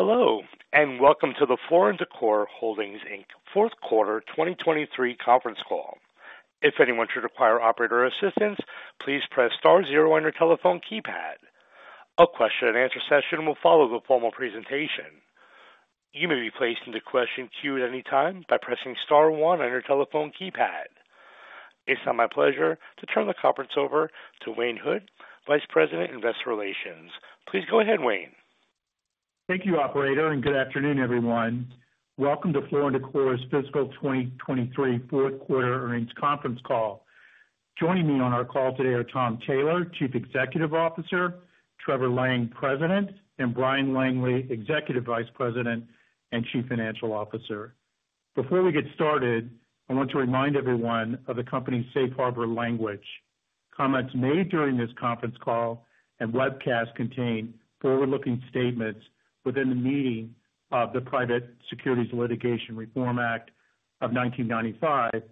Hello and welcome to the Floor & Decor Holdings, Inc. fourth quarter 2023 conference call. If anyone should require operator assistance, please press star zero on your telephone keypad. A question-and-answer session will follow the formal presentation. You may be placed into question queue at any time by pressing star one on your telephone keypad. It's now my pleasure to turn the conference over to Wayne Hood, Vice President, Investor Relations. Please go ahead, Wayne. Thank you, operator, and good afternoon, everyone. Welcome to Floor & Decor's fiscal 2023 fourth quarter earnings conference call. Joining me on our call today are Tom Taylor, Chief Executive Officer; Trevor Lang, President; and Bryan Langley, Executive Vice President and Chief Financial Officer. Before we get started, I want to remind everyone of the company's safe harbor language. Comments made during this conference call and webcast contain forward-looking statements within the meaning of the Private Securities Litigation Reform Act of 1995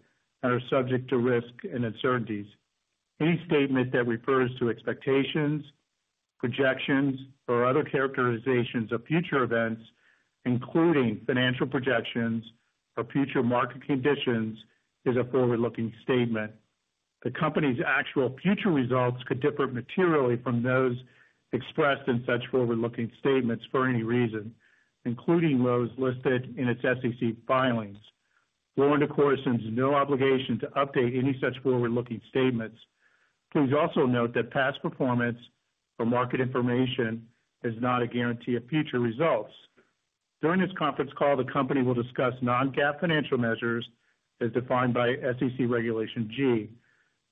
and are subject to risk and uncertainties. Any statement that refers to expectations, projections, or other characterizations of future events, including financial projections or future market conditions, is a forward-looking statement. The company's actual future results could differ materially from those expressed in such forward-looking statements for any reason, including those listed in its SEC filings. Floor & Decor has no obligation to update any such forward-looking statements. Please also note that past performance or market information is not a guarantee of future results. During this conference call, the company will discuss non-GAAP financial measures as defined by SEC Regulation G.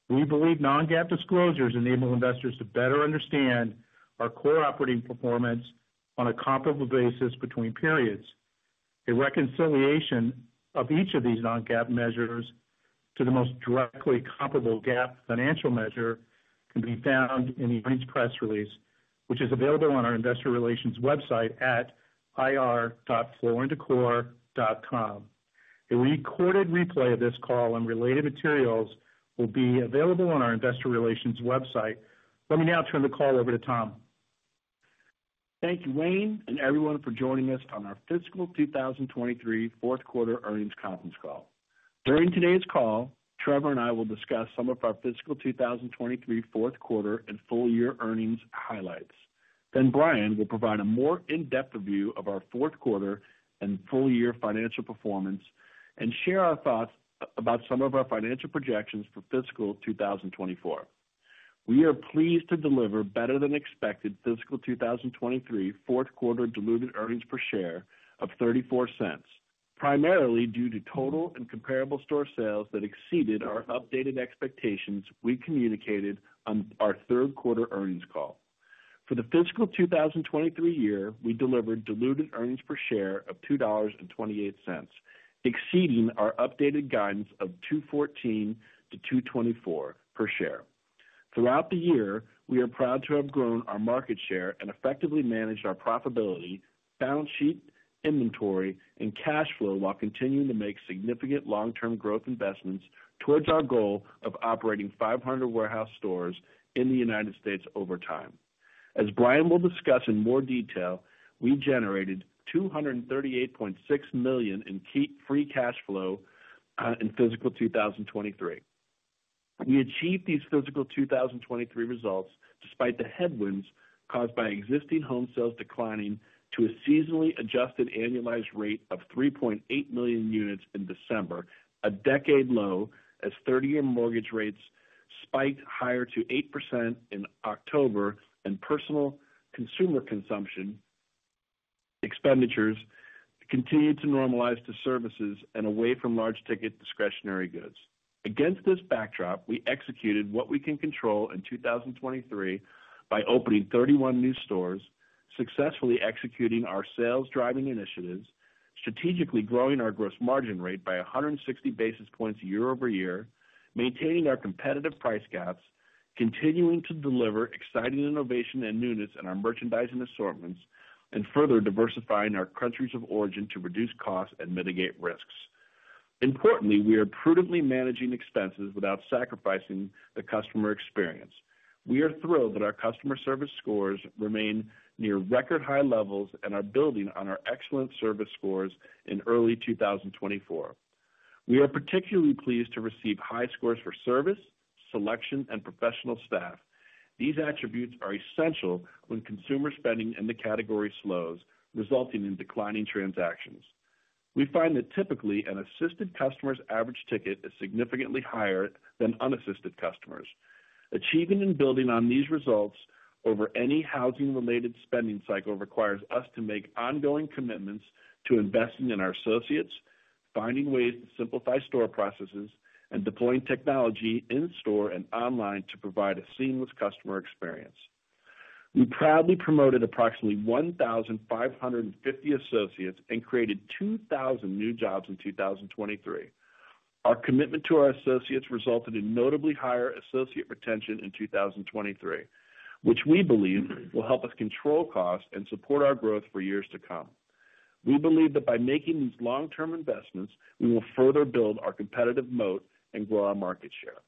We believe non-GAAP disclosures enable investors to better understand our core operating performance on a comparable basis between periods. A reconciliation of each of these non-GAAP measures to the most directly comparable GAAP financial measure can be found in the earnings press release, which is available on our Investor Relations website at ir.flooranddecor.com. A recorded replay of this call and related materials will be available on our Investor Relations website. Let me now turn the call over to Tom. Thank you, Wayne, and everyone for joining us on our fiscal 2023 fourth quarter earnings conference call. During today's call, Trevor and I will discuss some of our fiscal 2023 fourth quarter and full year earnings highlights. Then Bryan will provide a more in-depth review of our fourth quarter and full year financial performance and share our thoughts about some of our financial projections for fiscal 2024. We are pleased to deliver better than expected fiscal 2023 fourth quarter diluted earnings per share of $0.34, primarily due to total and comparable store sales that exceeded our updated expectations we communicated on our third quarter earnings call. For the fiscal 2023 year, we delivered diluted earnings per share of $2.28, exceeding our updated guidance of $2.14-$2.24 per share. Throughout the year, we are proud to have grown our market share and effectively managed our profitability, balance sheet, inventory, and cash flow while continuing to make significant long-term growth investments towards our goal of operating 500 warehouse stores in the United States over time. As Bryan will discuss in more detail, we generated $238.6 million in free cash flow in fiscal 2023. We achieved these fiscal 2023 results despite the headwinds caused by existing home sales declining to a seasonally adjusted annualized rate of 3.8 million units in December, a decade low as 30-year mortgage rates spiked higher to 8% in October and personal consumer consumption expenditures continued to normalize to services and away from large ticket discretionary goods. Against this backdrop, we executed what we can control in 2023 by opening 31 new stores, successfully executing our sales driving initiatives, strategically growing our gross margin rate by 160 basis points year-over-year, maintaining our competitive price gaps, continuing to deliver exciting innovation and newness in our merchandising assortments, and further diversifying our countries of origin to reduce costs and mitigate risks. Importantly, we are prudently managing expenses without sacrificing the customer experience. We are thrilled that our customer service scores remain near record high levels and are building on our excellent service scores in early 2024. We are particularly pleased to receive high scores for service, selection, and professional staff. These attributes are essential when consumer spending in the category slows, resulting in declining transactions. We find that typically an assisted customer's average ticket is significantly higher than unassisted customers. Achieving and building on these results over any housing-related spending cycle requires us to make ongoing commitments to investing in our associates, finding ways to simplify store processes, and deploying technology in-store and online to provide a seamless customer experience. We proudly promoted approximately 1,550 associates and created 2,000 new jobs in 2023. Our commitment to our associates resulted in notably higher associate retention in 2023, which we believe will help us control costs and support our growth for years to come. We believe that by making these long-term investments, we will further build our competitive moat and grow our market share.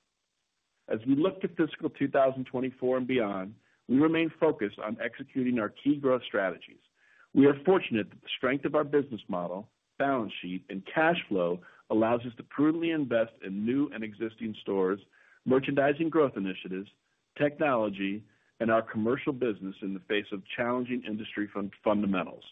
As we look to fiscal 2024 and beyond, we remain focused on executing our key growth strategies. We are fortunate that the strength of our business model, balance sheet, and cash flow allows us to prudently invest in new and existing stores, merchandising growth initiatives, technology, and our commercial business in the face of challenging industry fundamentals.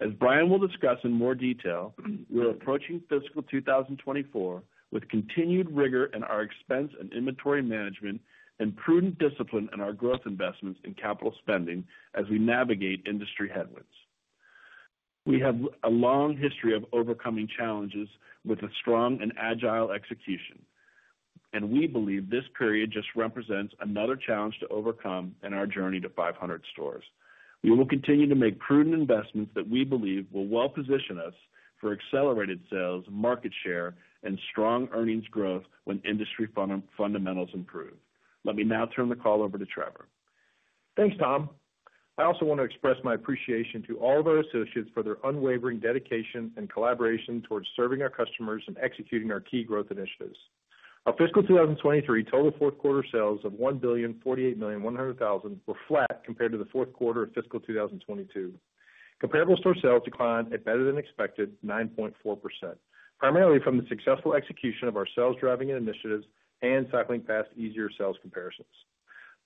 As Bryan will discuss in more detail, we are approaching fiscal 2024 with continued rigor in our expense and inventory management and prudent discipline in our growth investments in capital spending as we navigate industry headwinds. We have a long history of overcoming challenges with a strong and agile execution, and we believe this period just represents another challenge to overcome in our journey to 500 stores. We will continue to make prudent investments that we believe will well position us for accelerated sales, market share, and strong earnings growth when industry fundamentals improve. Let me now turn the call over to Trevor. Thanks, Tom. I also want to express my appreciation to all of our associates for their unwavering dedication and collaboration towards serving our customers and executing our key growth initiatives. Our fiscal 2023 total fourth quarter sales of $1,048,100,000 were flat compared to the fourth quarter of fiscal 2022. Comparable store sales declined at better than expected 9.4%, primarily from the successful execution of our sales driving initiatives and cycling past easier sales comparisons.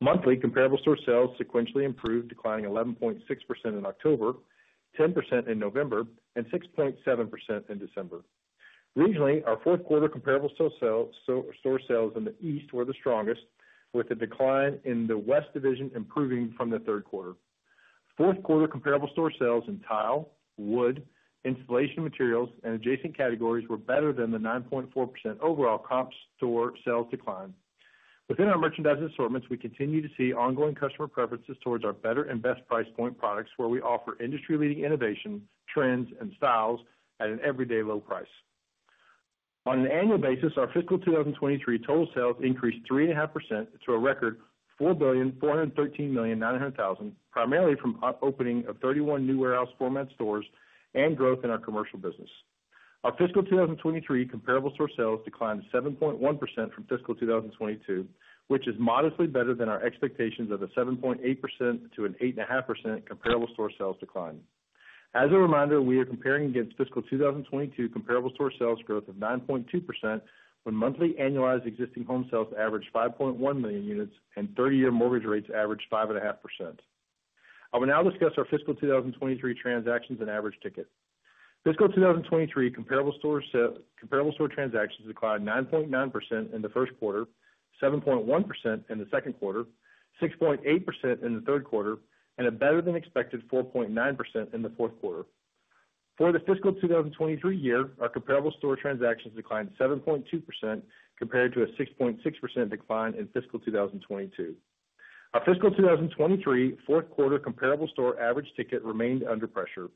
Monthly, comparable store sales sequentially improved, declining 11.6% in October, 10% in November, and 6.7% in December. Regionally, our fourth quarter comparable store sales in the east were the strongest, with a decline in the west division improving from the third quarter. Fourth quarter comparable store sales in tile, wood, installation materials, and adjacent categories were better than the 9.4% overall comp store sales decline. Within our merchandise assortments, we continue to see ongoing customer preferences towards our better and best price point products where we offer industry-leading innovation, trends, and styles at an everyday low price. On an annual basis, our fiscal 2023 total sales increased 3.5% to a record $4,413,900,000, primarily from opening of 31 new warehouse format stores and growth in our commercial business. Our fiscal 2023 comparable store sales declined 7.1% from fiscal 2022, which is modestly better than our expectations of a 7.8%-8.5% comparable store sales decline. As a reminder, we are comparing against fiscal 2022 comparable store sales growth of 9.2% when monthly annualized existing home sales averaged 5.1 million units and 30-year mortgage rates averaged 5.5%. I will now discuss our fiscal 2023 transactions and average ticket. Fiscal 2023 comparable store transactions declined 9.9% in the first quarter, 7.1% in the second quarter, 6.8% in the third quarter, and a better than expected 4.9% in the fourth quarter. For the fiscal 2023 year, our comparable store transactions declined 7.2% compared to a 6.6% decline in fiscal 2022. Our fiscal 2023 fourth quarter comparable store average ticket remained under pressure.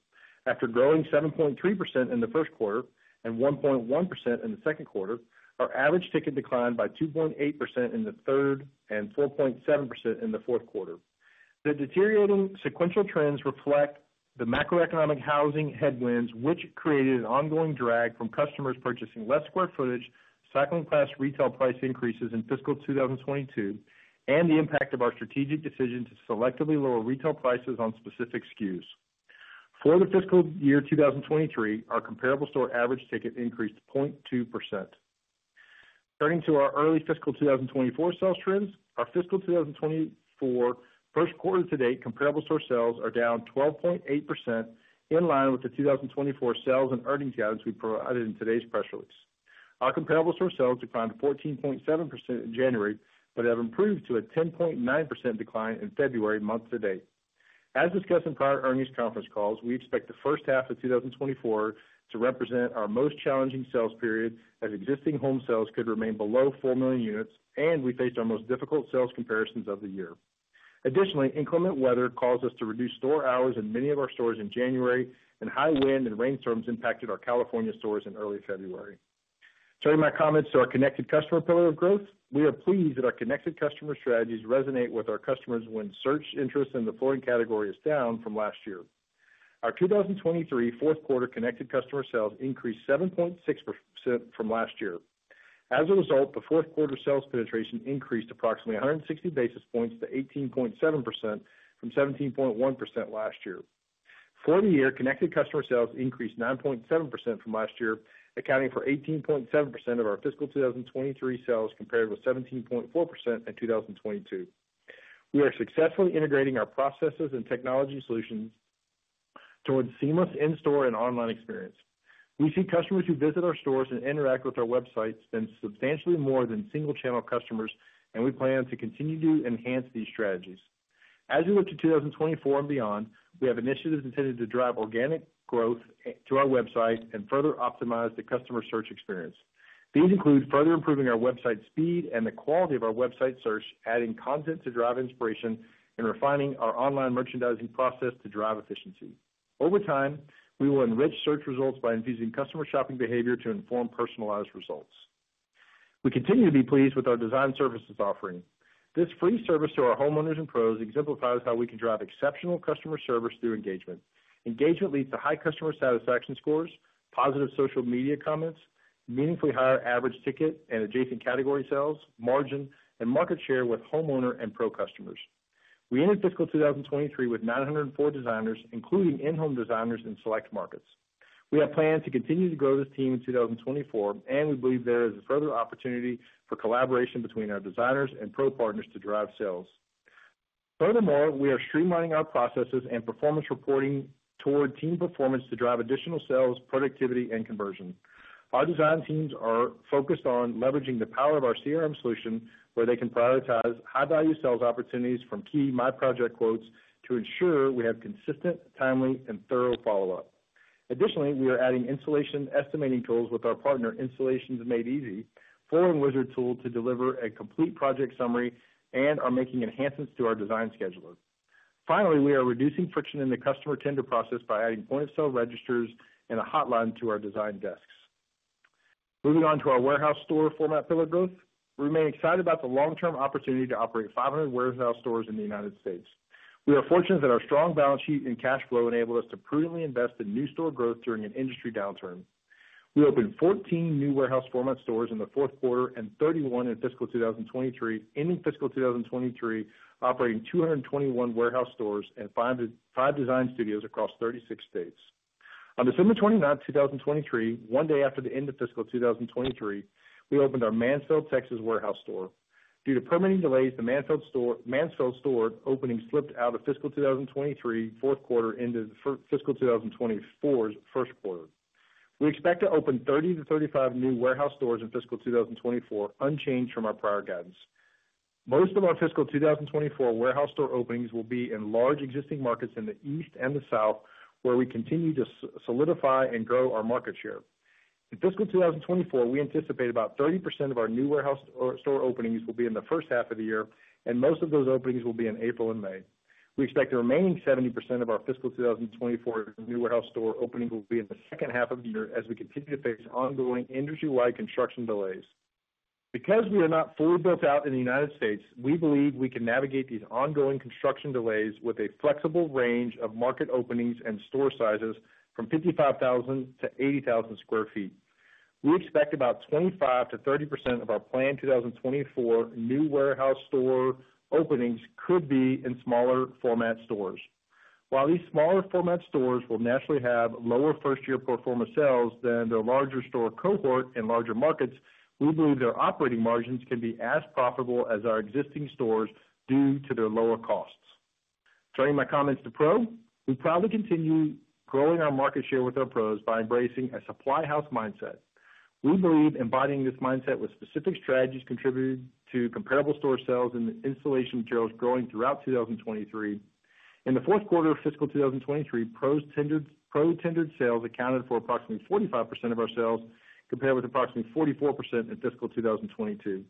After growing 7.3% in the first quarter and 1.1% in the second quarter, our average ticket declined by 2.8% in the third and 4.7% in the fourth quarter. The deteriorating sequential trends reflect the macroeconomic housing headwinds, which created an ongoing drag from customers purchasing less square footage, cycling past retail price increases in fiscal 2022, and the impact of our strategic decision to selectively lower retail prices on specific SKUs. For the fiscal year 2023, our comparable store average ticket increased 0.2%. Turning to our early fiscal 2024 sales trends, our fiscal 2024 first quarter to date, comparable store sales are down 12.8% in line with the 2024 sales and earnings guidance we provided in today's press release. Our comparable store sales declined 14.7% in January but have improved to a 10.9% decline in February month to date. As discussed in prior earnings conference calls, we expect the first half of 2024 to represent our most challenging sales period as existing home sales could remain below 4 million units, and we faced our most difficult sales comparisons of the year. Additionally, inclement weather caused us to reduce store hours in many of our stores in January, and high wind and rainstorms impacted our California stores in early February. Turning my comments to our connected customer pillar of growth, we are pleased that our connected customer strategies resonate with our customers when search interest in the flooring category is down from last year. Our 2023 fourth quarter connected customer sales increased 7.6% from last year. As a result, the fourth quarter sales penetration increased approximately 160 basis points to 18.7% from 17.1% last year. For the year, connected customer sales increased 9.7% from last year, accounting for 18.7% of our fiscal 2023 sales compared with 17.4% in 2022. We are successfully integrating our processes and technology solutions towards seamless in-store and online experience. We see customers who visit our stores and interact with our websites than substantially more than single-channel customers, and we plan to continue to enhance these strategies. As we look to 2024 and beyond, we have initiatives intended to drive organic growth to our website and further optimize the customer search experience. These include further improving our website speed and the quality of our website search, adding content to drive inspiration, and refining our online merchandising process to drive efficiency. Over time, we will enrich search results by infusing customer shopping behavior to inform personalized results. We continue to be pleased with our design services offering. This free service to our homeowners and pros exemplifies how we can drive exceptional customer service through engagement. Engagement leads to high customer satisfaction scores, positive social media comments, meaningfully higher average ticket and adjacent category sales, margin, and market share with homeowner and pro customers. We ended fiscal 2023 with 904 designers, including in-home designers in select markets. We have plans to continue to grow this team in 2024, and we believe there is further opportunity for collaboration between our designers and pro partners to drive sales. Furthermore, we are streamlining our processes and performance reporting toward team performance to drive additional sales, productivity, and conversion. Our design teams are focused on leveraging the power of our CRM solution, where they can prioritize high-value sales opportunities from key My Project quotes to ensure we have consistent, timely, and thorough follow-up. Additionally, we are adding installation estimating tools with our partner Installation Made Easy, FloorWizard tool to deliver a complete project summary, and are making enhancements to our design scheduler. Finally, we are reducing friction in the customer tender process by adding point-of-sale registers and a hotline to our design desks. Moving on to our warehouse store format pillar growth, we remain excited about the long-term opportunity to operate 500 warehouse stores in the United States. We are fortunate that our strong balance sheet and cash flow enabled us to prudently invest in new store growth during an industry downturn. We opened 14 new warehouse format stores in the fourth quarter and 31 in fiscal 2023, ending fiscal 2023 operating 221 warehouse stores and five design studios across 36 states. On December 29, 2023, one day after the end of fiscal 2023, we opened our Mansfield, Texas warehouse store. Due to permitting delays, the Mansfield store opening slipped out of fiscal 2023 fourth quarter into fiscal 2024's first quarter. We expect to open 30-35 new warehouse stores in fiscal 2024, unchanged from our prior guidance. Most of our fiscal 2024 warehouse store openings will be in large existing markets in the east and the south, where we continue to solidify and grow our market share. In fiscal 2024, we anticipate about 30% of our new warehouse store openings will be in the first half of the year, and most of those openings will be in April and May. We expect the remaining 70% of our fiscal 2024 new warehouse store opening will be in the second half of the year as we continue to face ongoing industry-wide construction delays. Because we are not fully built out in the United States, we believe we can navigate these ongoing construction delays with a flexible range of market openings and store sizes from 55,000-80,000 sq ft. We expect about 25%-30% of our planned 2024 new warehouse store openings could be in smaller format stores. While these smaller format stores will naturally have lower first-year performance sales than their larger store cohort in larger markets, we believe their operating margins can be as profitable as our existing stores due to their lower costs. Turning my comments to pro, we proudly continue growing our market share with our pros by embracing a supply house mindset. We believe embodying this mindset with specific strategies contributed to comparable store sales and installation materials growing throughout 2023. In the fourth quarter of fiscal 2023, pro-tendered sales accounted for approximately 45% of our sales compared with approximately 44% in fiscal 2022.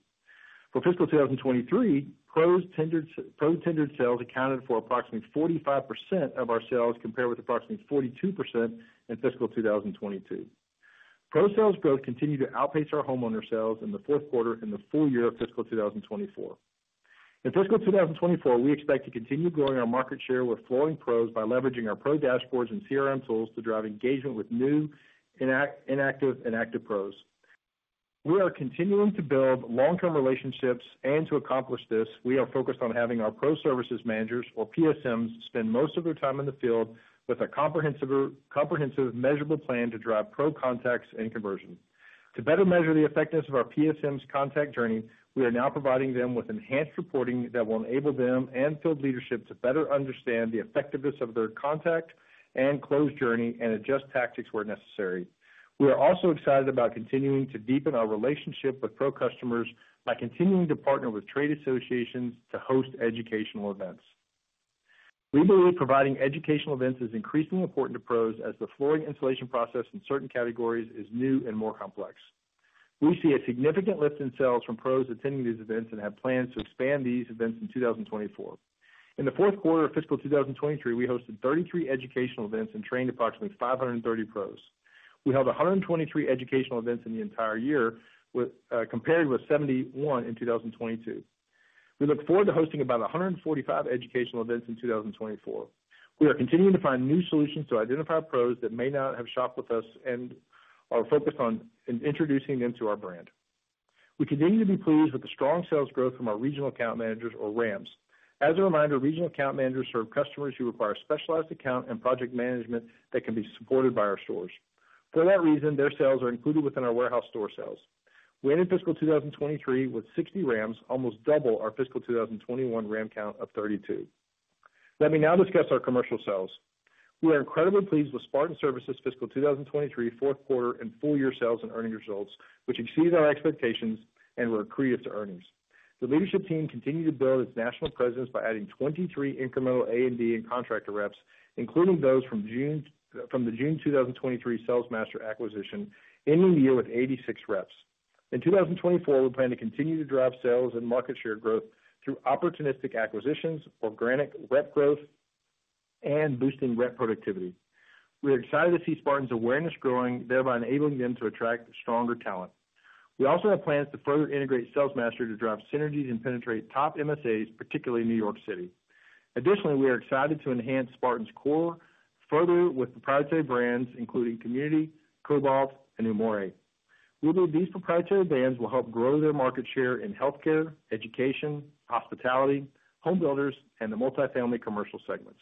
For fiscal 2023, pro-tendered sales accounted for approximately 45% of our sales compared with approximately 42% in fiscal 2022. Pro sales growth continued to outpace our homeowner sales in the fourth quarter in the full year of fiscal 2024. In fiscal 2024, we expect to continue growing our market share with flooring pros by leveraging our pro dashboards and CRM tools to drive engagement with new, inactive, and active pros. We are continuing to build long-term relationships, and to accomplish this, we are focused on having our pro services managers, or PSMs, spend most of their time in the field with a comprehensive, measurable plan to drive pro contacts and conversion. To better measure the effectiveness of our PSMs' contact journey, we are now providing them with enhanced reporting that will enable them and field leadership to better understand the effectiveness of their contact and closed journey and adjust tactics where necessary. We are also excited about continuing to deepen our relationship with pro customers by continuing to partner with trade associations to host educational events. We believe providing educational events is increasingly important to pros as the flooring installation process in certain categories is new and more complex. We see a significant lift in sales from pros attending these events and have plans to expand these events in 2024. In the fourth quarter of fiscal 2023, we hosted 33 educational events and trained approximately 530 pros. We held 123 educational events in the entire year, compared with 71 in 2022. We look forward to hosting about 145 educational events in 2024. We are continuing to find new solutions to identify pros that may not have shopped with us and are focused on introducing them to our brand. We continue to be pleased with the strong sales growth from our regional account managers, or RAMs. As a reminder, regional account managers serve customers who require specialized account and project management that can be supported by our stores. For that reason, their sales are included within our warehouse store sales. We ended fiscal 2023 with 60 RAMs, almost double our fiscal 2021 RAM count of 32. Let me now discuss our commercial sales. We are incredibly pleased with Spartan Surfaces' fiscal 2023 fourth quarter and full year sales and earnings results, which exceeded our expectations and were accretive to earnings. The leadership team continued to build its national presence by adding 23 incremental A&D and contractor reps, including those from the June 2023 Salesmaster acquisition, ending the year with 86 reps. In 2024, we plan to continue to drive sales and market share growth through opportunistic acquisitions, organic rep growth, and boosting rep productivity. We are excited to see Spartan's awareness growing, thereby enabling them to attract stronger talent. We also have plans to further integrate Salesmaster to drive synergies and penetrate top MSAs, particularly New York City. Additionally, we are excited to enhance Spartan's core further with proprietary brands, including Community, Cobalt, and Umore. We believe these proprietary brands will help grow their market share in healthcare, education, hospitality, home builders, and the multifamily commercial segments.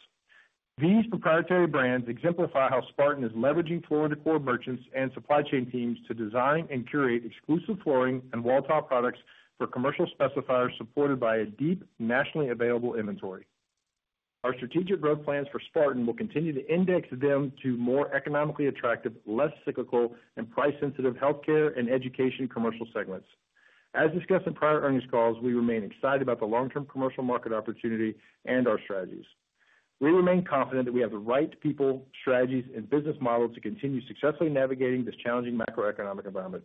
These proprietary brands exemplify how Spartan is leveraging floor-to-core merchants and supply chain teams to design and curate exclusive flooring and wall-top products for commercial specifiers supported by a deep, nationally available inventory. Our strategic growth plans for Spartan will continue to index them to more economically attractive, less cyclical, and price-sensitive healthcare and education commercial segments. As discussed in prior earnings calls, we remain excited about the long-term commercial market opportunity and our strategies. We remain confident that we have the right people, strategies, and business models to continue successfully navigating this challenging macroeconomic environment.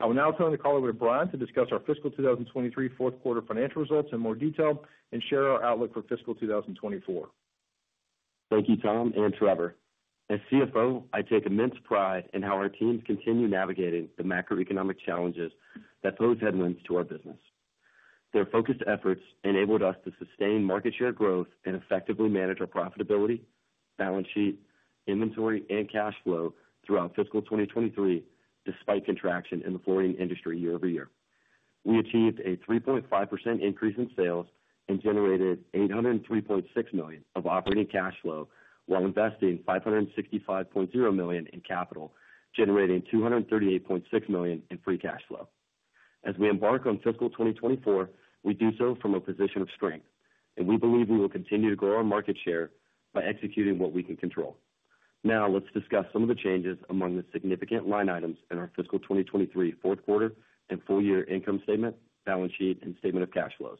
I will now turn the call over to Bryan to discuss our fiscal 2023 fourth quarter financial results in more detail and share our outlook for fiscal 2024. Thank you, Tom and Trevor. As CFO, I take immense pride in how our teams continue navigating the macroeconomic challenges that pose headwinds to our business. Their focused efforts enabled us to sustain market share growth and effectively manage our profitability, balance sheet, inventory, and cash flow throughout fiscal 2023, despite contraction in the flooring industry year over year. We achieved a 3.5% increase in sales and generated $803.6 million of operating cash flow while investing $565.0 million in capital, generating $238.6 million in free cash flow. As we embark on fiscal 2024, we do so from a position of strength, and we believe we will continue to grow our market share by executing what we can control. Now, let's discuss some of the changes among the significant line items in our fiscal 2023 fourth quarter and full year income statement, balance sheet, and statement of cash flows,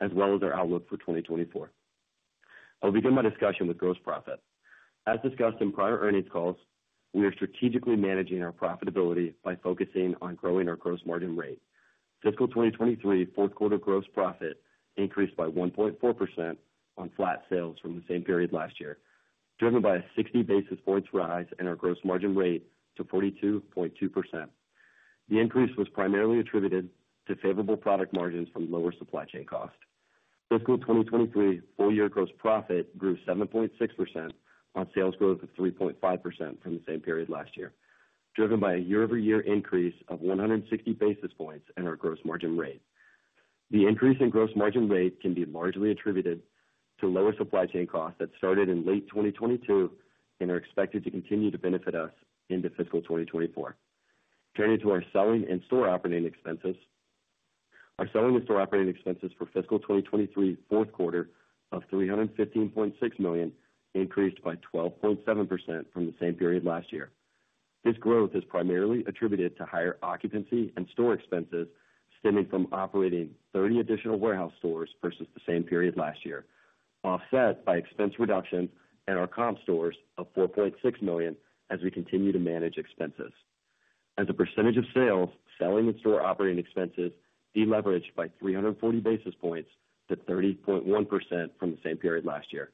as well as our outlook for 2024. I'll begin my discussion with gross profit. As discussed in prior earnings calls, we are strategically managing our profitability by focusing on growing our gross margin rate. Fiscal 2023 fourth quarter gross profit increased by 1.4% on flat sales from the same period last year, driven by a 60 basis points rise in our gross margin rate to 42.2%. The increase was primarily attributed to favorable product margins from lower supply chain cost. Fiscal 2023 full year gross profit grew 7.6% on sales growth of 3.5% from the same period last year, driven by a year-over-year increase of 160 basis points in our gross margin rate. The increase in gross margin rate can be largely attributed to lower supply chain costs that started in late 2022 and are expected to continue to benefit us into fiscal 2024. Turning to our selling and store operating expenses, our selling and store operating expenses for fiscal 2023 fourth quarter of $315.6 million increased by 12.7% from the same period last year. This growth is primarily attributed to higher occupancy and store expenses stemming from operating 30 additional warehouse stores versus the same period last year, offset by expense reductions in our comp stores of $4.6 million as we continue to manage expenses. As a percentage of sales, selling and store operating expenses deleveraged by 340 basis points to 30.1% from the same period last year.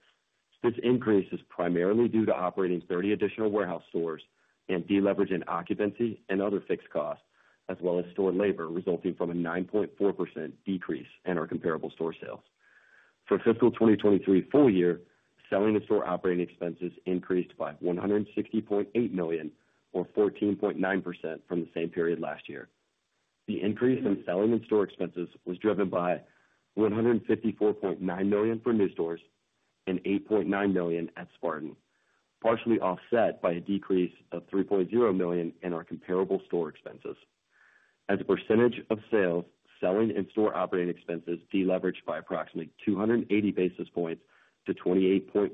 This increase is primarily due to operating 30 additional warehouse stores and deleveraging occupancy and other fixed costs, as well as store labor resulting from a 9.4% decrease in our comparable store sales. For fiscal 2023 full year, selling and store operating expenses increased by $160.8 million, or 14.9%, from the same period last year. The increase in selling and store expenses was driven by $154.9 million for new stores and $8.9 million at Spartan, partially offset by a decrease of $3.0 million in our comparable store expenses. As a percentage of sales, selling and store operating expenses deleveraged by approximately 280 basis points to 28.1%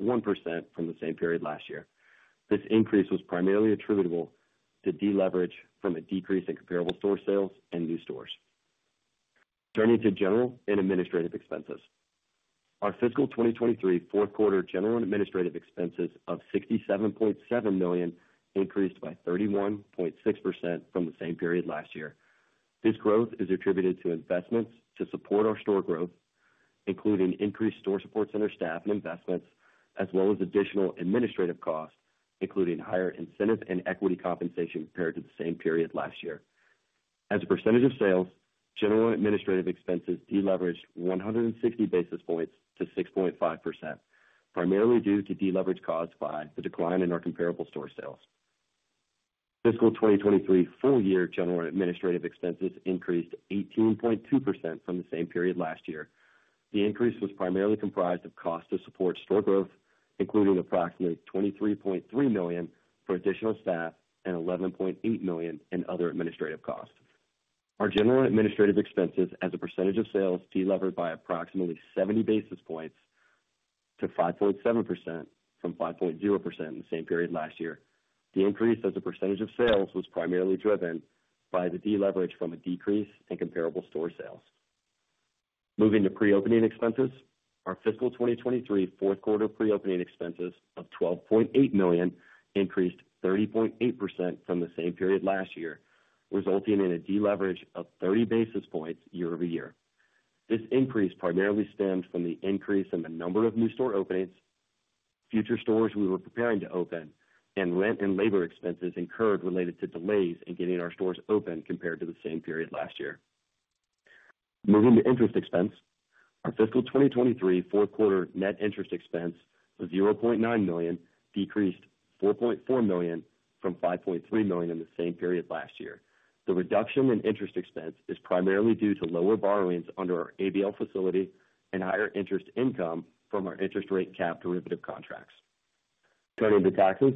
from the same period last year. This increase was primarily attributable to deleverage from a decrease in comparable store sales and new stores. Turning to general and administrative expenses, our fiscal 2023 fourth quarter general and administrative expenses of $67.7 million increased by 31.6% from the same period last year. This growth is attributed to investments to support our store growth, including increased store support center staff and investments, as well as additional administrative costs, including higher incentive and equity compensation compared to the same period last year. As a percentage of sales, general and administrative expenses deleveraged 160 basis points to 6.5%, primarily due to deleverage caused by the decline in our comparable store sales. Fiscal 2023 full year general and administrative expenses increased 18.2% from the same period last year. The increase was primarily comprised of cost to support store growth, including approximately $23.3 million for additional staff and $11.8 million in other administrative costs. Our general and administrative expenses, as a percentage of sales, deleveraged by approximately 70 basis points to 5.7% from 5.0% in the same period last year. The increase as a percentage of sales was primarily driven by the deleverage from a decrease in comparable store sales. Moving to pre-opening expenses, our fiscal 2023 fourth quarter pre-opening expenses of $12.8 million increased 30.8% from the same period last year, resulting in a deleverage of 30 basis points year over year. This increase primarily stemmed from the increase in the number of new store openings, future stores we were preparing to open, and rent and labor expenses incurred related to delays in getting our stores open compared to the same period last year. Moving to interest expense, our fiscal 2023 fourth quarter net interest expense of $0.9 million decreased $4.4 million from $5.3 million in the same period last year. The reduction in interest expense is primarily due to lower borrowings under our ABL facility and higher interest income from our interest rate cap derivative contracts. Turning to taxes,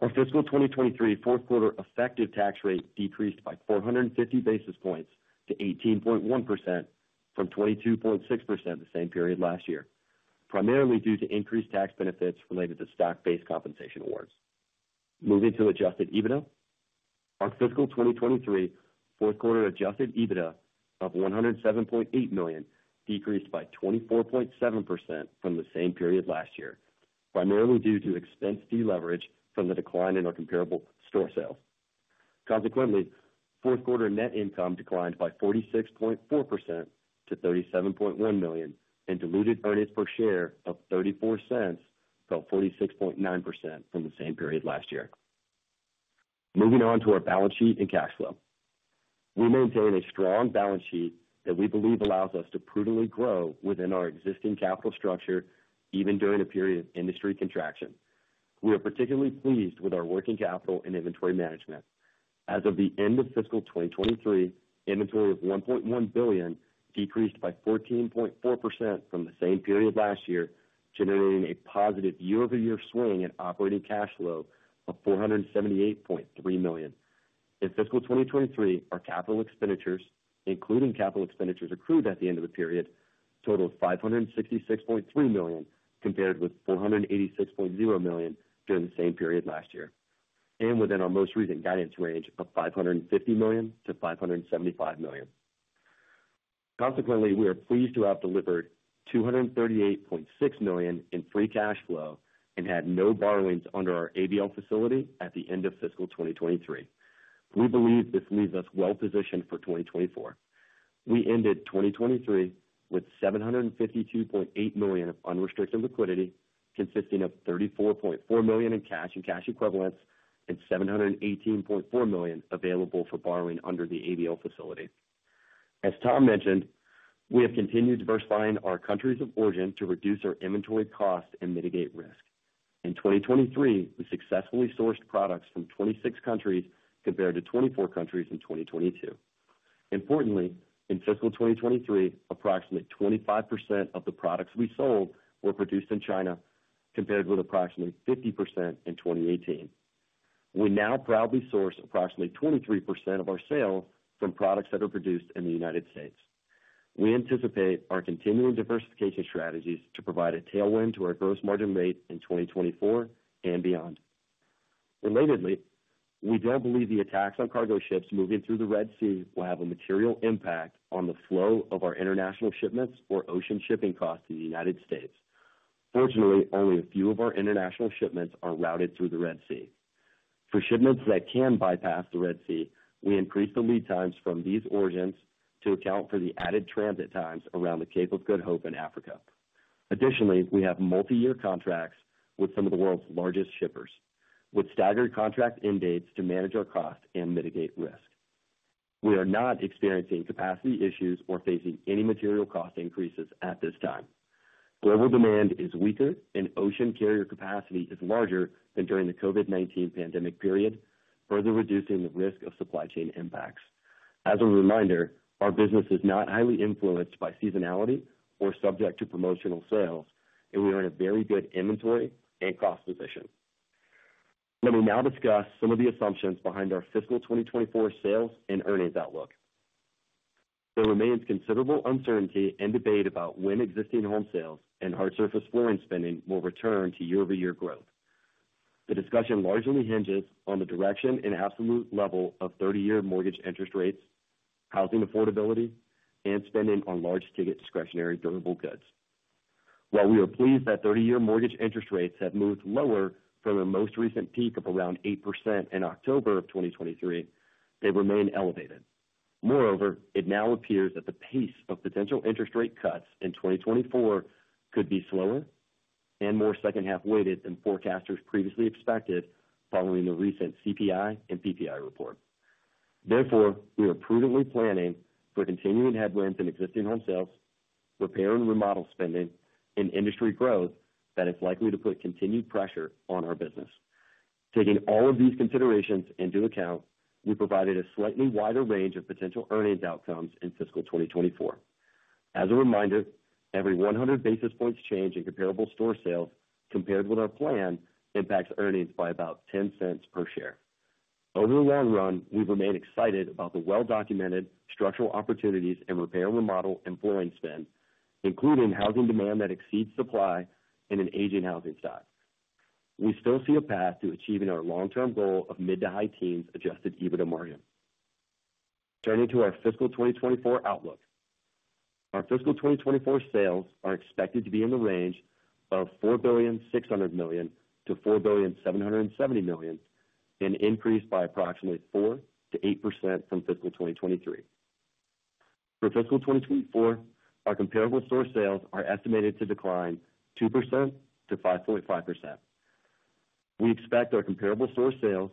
our fiscal 2023 fourth quarter effective tax rate decreased by 450 basis points to 18.1% from 22.6% the same period last year, primarily due to increased tax benefits related to stock-based compensation awards. Moving to adjusted EBITDA, our fiscal 2023 fourth quarter adjusted EBITDA of $107.8 million decreased by 24.7% from the same period last year, primarily due to expense deleverage from the decline in our comparable store sales. Consequently, fourth quarter net income declined by 46.4% to $37.1 million, and diluted earnings per share of 0.34 fell 46.9% from the same period last year. Moving on to our balance sheet and cash flow, we maintain a strong balance sheet that we believe allows us to prudently grow within our existing capital structure, even during a period of industry contraction. We are particularly pleased with our working capital and inventory management. As of the end of fiscal 2023, inventory of $1.1 billion decreased by 14.4% from the same period last year, generating a positive year-over-year swing in operating cash flow of $478.3 million. In fiscal 2023, our capital expenditures, including capital expenditures accrued at the end of the period, totaled $566.3 million compared with $486.0 million during the same period last year, and within our most recent guidance range of $550 million-$575 million. Consequently, we are pleased to have delivered $238.6 million in free cash flow and had no borrowings under our ABL facility at the end of fiscal 2023. We believe this leaves us well-positioned for 2024. We ended 2023 with $752.8 million of unrestricted liquidity, consisting of $34.4 million in cash and cash equivalents and $718.4 million available for borrowing under the ABL facility. As Tom mentioned, we have continued diversifying our countries of origin to reduce our inventory cost and mitigate risk. In 2023, we successfully sourced products from 26 countries compared to 24 countries in 2022. Importantly, in fiscal 2023, approximately 25% of the products we sold were produced in China compared with approximately 50% in 2018. We now proudly source approximately 23% of our sales from products that are produced in the United States. We anticipate our continuing diversification strategies to provide a tailwind to our gross margin rate in 2024 and beyond. Relatedly, we don't believe the attacks on cargo ships moving through the Red Sea will have a material impact on the flow of our international shipments or ocean shipping costs to the United States. Fortunately, only a few of our international shipments are routed through the Red Sea. For shipments that can bypass the Red Sea, we increase the lead times from these origins to account for the added transit times around the Cape of Good Hope in Africa. Additionally, we have multi-year contracts with some of the world's largest shippers, with staggered contract end dates to manage our cost and mitigate risk. We are not experiencing capacity issues or facing any material cost increases at this time. Global demand is weaker, and ocean carrier capacity is larger than during the COVID-19 pandemic period, further reducing the risk of supply chain impacts. As a reminder, our business is not highly influenced by seasonality or subject to promotional sales, and we are in a very good inventory and cost position. Let me now discuss some of the assumptions behind our fiscal 2024 sales and earnings outlook. There remains considerable uncertainty and debate about when existing home sales and hard surface flooring spending will return to year-over-year growth. The discussion largely hinges on the direction and absolute level of 30-year mortgage interest rates, housing affordability, and spending on large ticket discretionary durable goods. While we are pleased that 30-year mortgage interest rates have moved lower from their most recent peak of around 8% in October of 2023, they remain elevated. Moreover, it now appears that the pace of potential interest rate cuts in 2024 could be slower and more second-half weighted than forecasters previously expected following the recent CPI and PPI report. Therefore, we are prudently planning for continuing headwinds in existing home sales, repair and remodel spending, and industry growth that is likely to put continued pressure on our business. Taking all of these considerations into account, we provided a slightly wider range of potential earnings outcomes in fiscal 2024. As a reminder, every 100 basis points change in comparable store sales compared with our plan impacts earnings by about $0.10 per share. Over the long run, we've remained excited about the well-documented structural opportunities in repair and remodel and flooring spend, including housing demand that exceeds supply in an aging housing stock. We still see a path to achieving our long-term goal of mid to high teens Adjusted EBITDA margin. Turning to our fiscal 2024 outlook, our fiscal 2024 sales are expected to be in the range of $4.6 billion-$4.7 billion, an increase by approximately 4%-8% from fiscal 2023. For fiscal 2024, our comparable store sales are estimated to decline 2%-5.5%. We expect our comparable store sales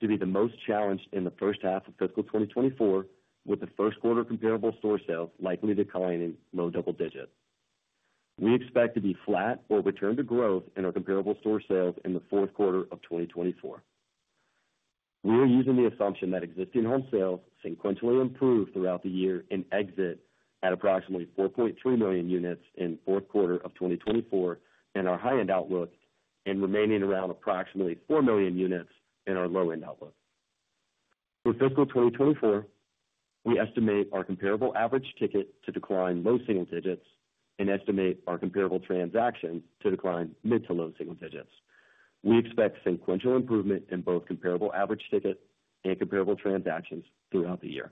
to be the most challenged in the first half of fiscal 2024, with the first quarter comparable store sales likely declining low double digits. We expect to be flat or return to growth in our comparable store sales in the fourth quarter of 2024. We are using the assumption that existing home sales sequentially improve throughout the year and exit at approximately 4.3 million units in fourth quarter of 2024 in our high-end outlook and remaining around approximately 4 million units in our low-end outlook. For fiscal 2024, we estimate our comparable average ticket to decline low single digits and estimate our comparable transactions to decline mid to low single digits. We expect sequential improvement in both comparable average ticket and comparable transactions throughout the year.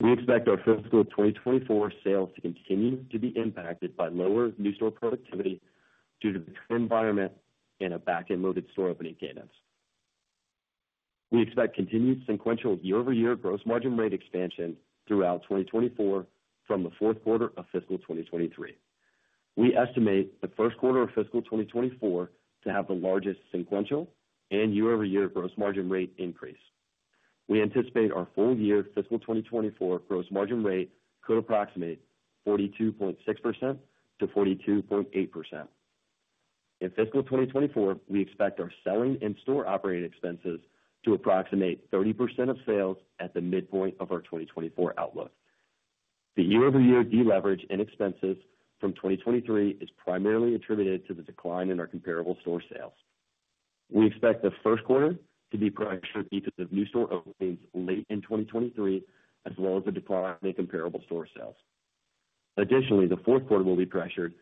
We expect our fiscal 2024 sales to continue to be impacted by lower new store productivity due to the trend environment and a backend loaded store opening cadence. We expect continued sequential year-over-year gross margin rate expansion throughout 2024 from the fourth quarter of fiscal 2023. We estimate the first quarter of fiscal 2024 to have the largest sequential and year-over-year gross margin rate increase. We anticipate our full year fiscal 2024 gross margin rate could approximate 42.6%-42.8%. In fiscal 2024, we expect our selling and store operating expenses to approximate 30% of sales at the midpoint of our 2024 outlook. The year-over-year deleverage in expenses from 2023 is primarily attributed to the decline in our comparable store sales. We expect the first quarter to be pressured because of new store openings late in 2023, as well as the decline in comparable store sales. Additionally, the fourth quarter will be pressured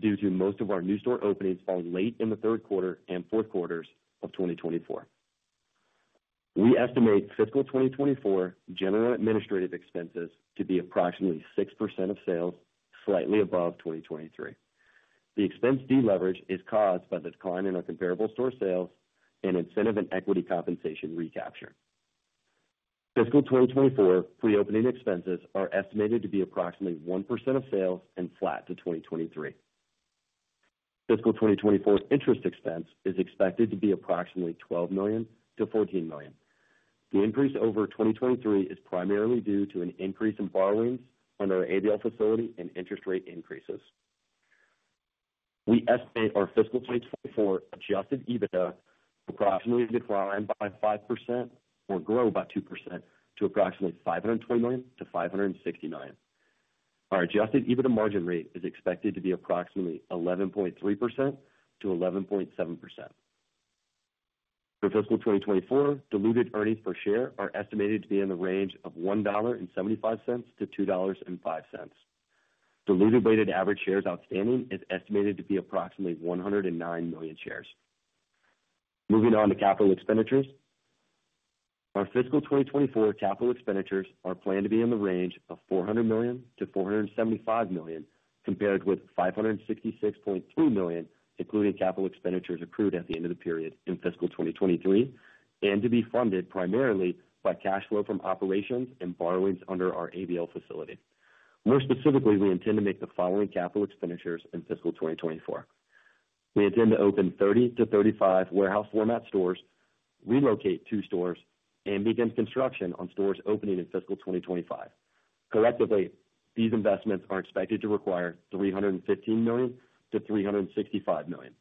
due to most of our new store openings falling late in the third quarter and fourth quarters of 2024. We estimate fiscal 2024 general administrative expenses to be approximately 6% of sales, slightly above 2023. The expense deleverage is caused by the decline in our comparable store sales and incentive and equity compensation recapture. Fiscal 2024 pre-opening expenses are estimated to be approximately 1% of sales and flat to 2023. Fiscal 2024 interest expense is expected to be approximately $12 million-$14 million. The increase over 2023 is primarily due to an increase in borrowings under our ABL facility and interest rate increases. We estimate our fiscal 2024 Adjusted EBITDA approximately decline by 5% or grow by 2% to approximately $520 million-$560 million. Our Adjusted EBITDA margin rate is expected to be approximately 11.3%-11.7%. For fiscal 2024, diluted earnings per share are estimated to be in the range of $1.75-$2.05. Diluted weighted average shares outstanding is estimated to be approximately 109 million shares. Moving on to capital expenditures, our fiscal 2024 capital expenditures are planned to be in the range of $400 million-$475 million compared with $566.3 million, including capital expenditures accrued at the end of the period in fiscal 2023, and to be funded primarily by cash flow from operations and borrowings under our ABL facility. More specifically, we intend to make the following capital expenditures in fiscal 2024: we intend to open 30-35 warehouse format stores, relocate 2 stores, and begin construction on stores opening in fiscal 2025. Collectively, these investments are expected to require $315 million-$365 million.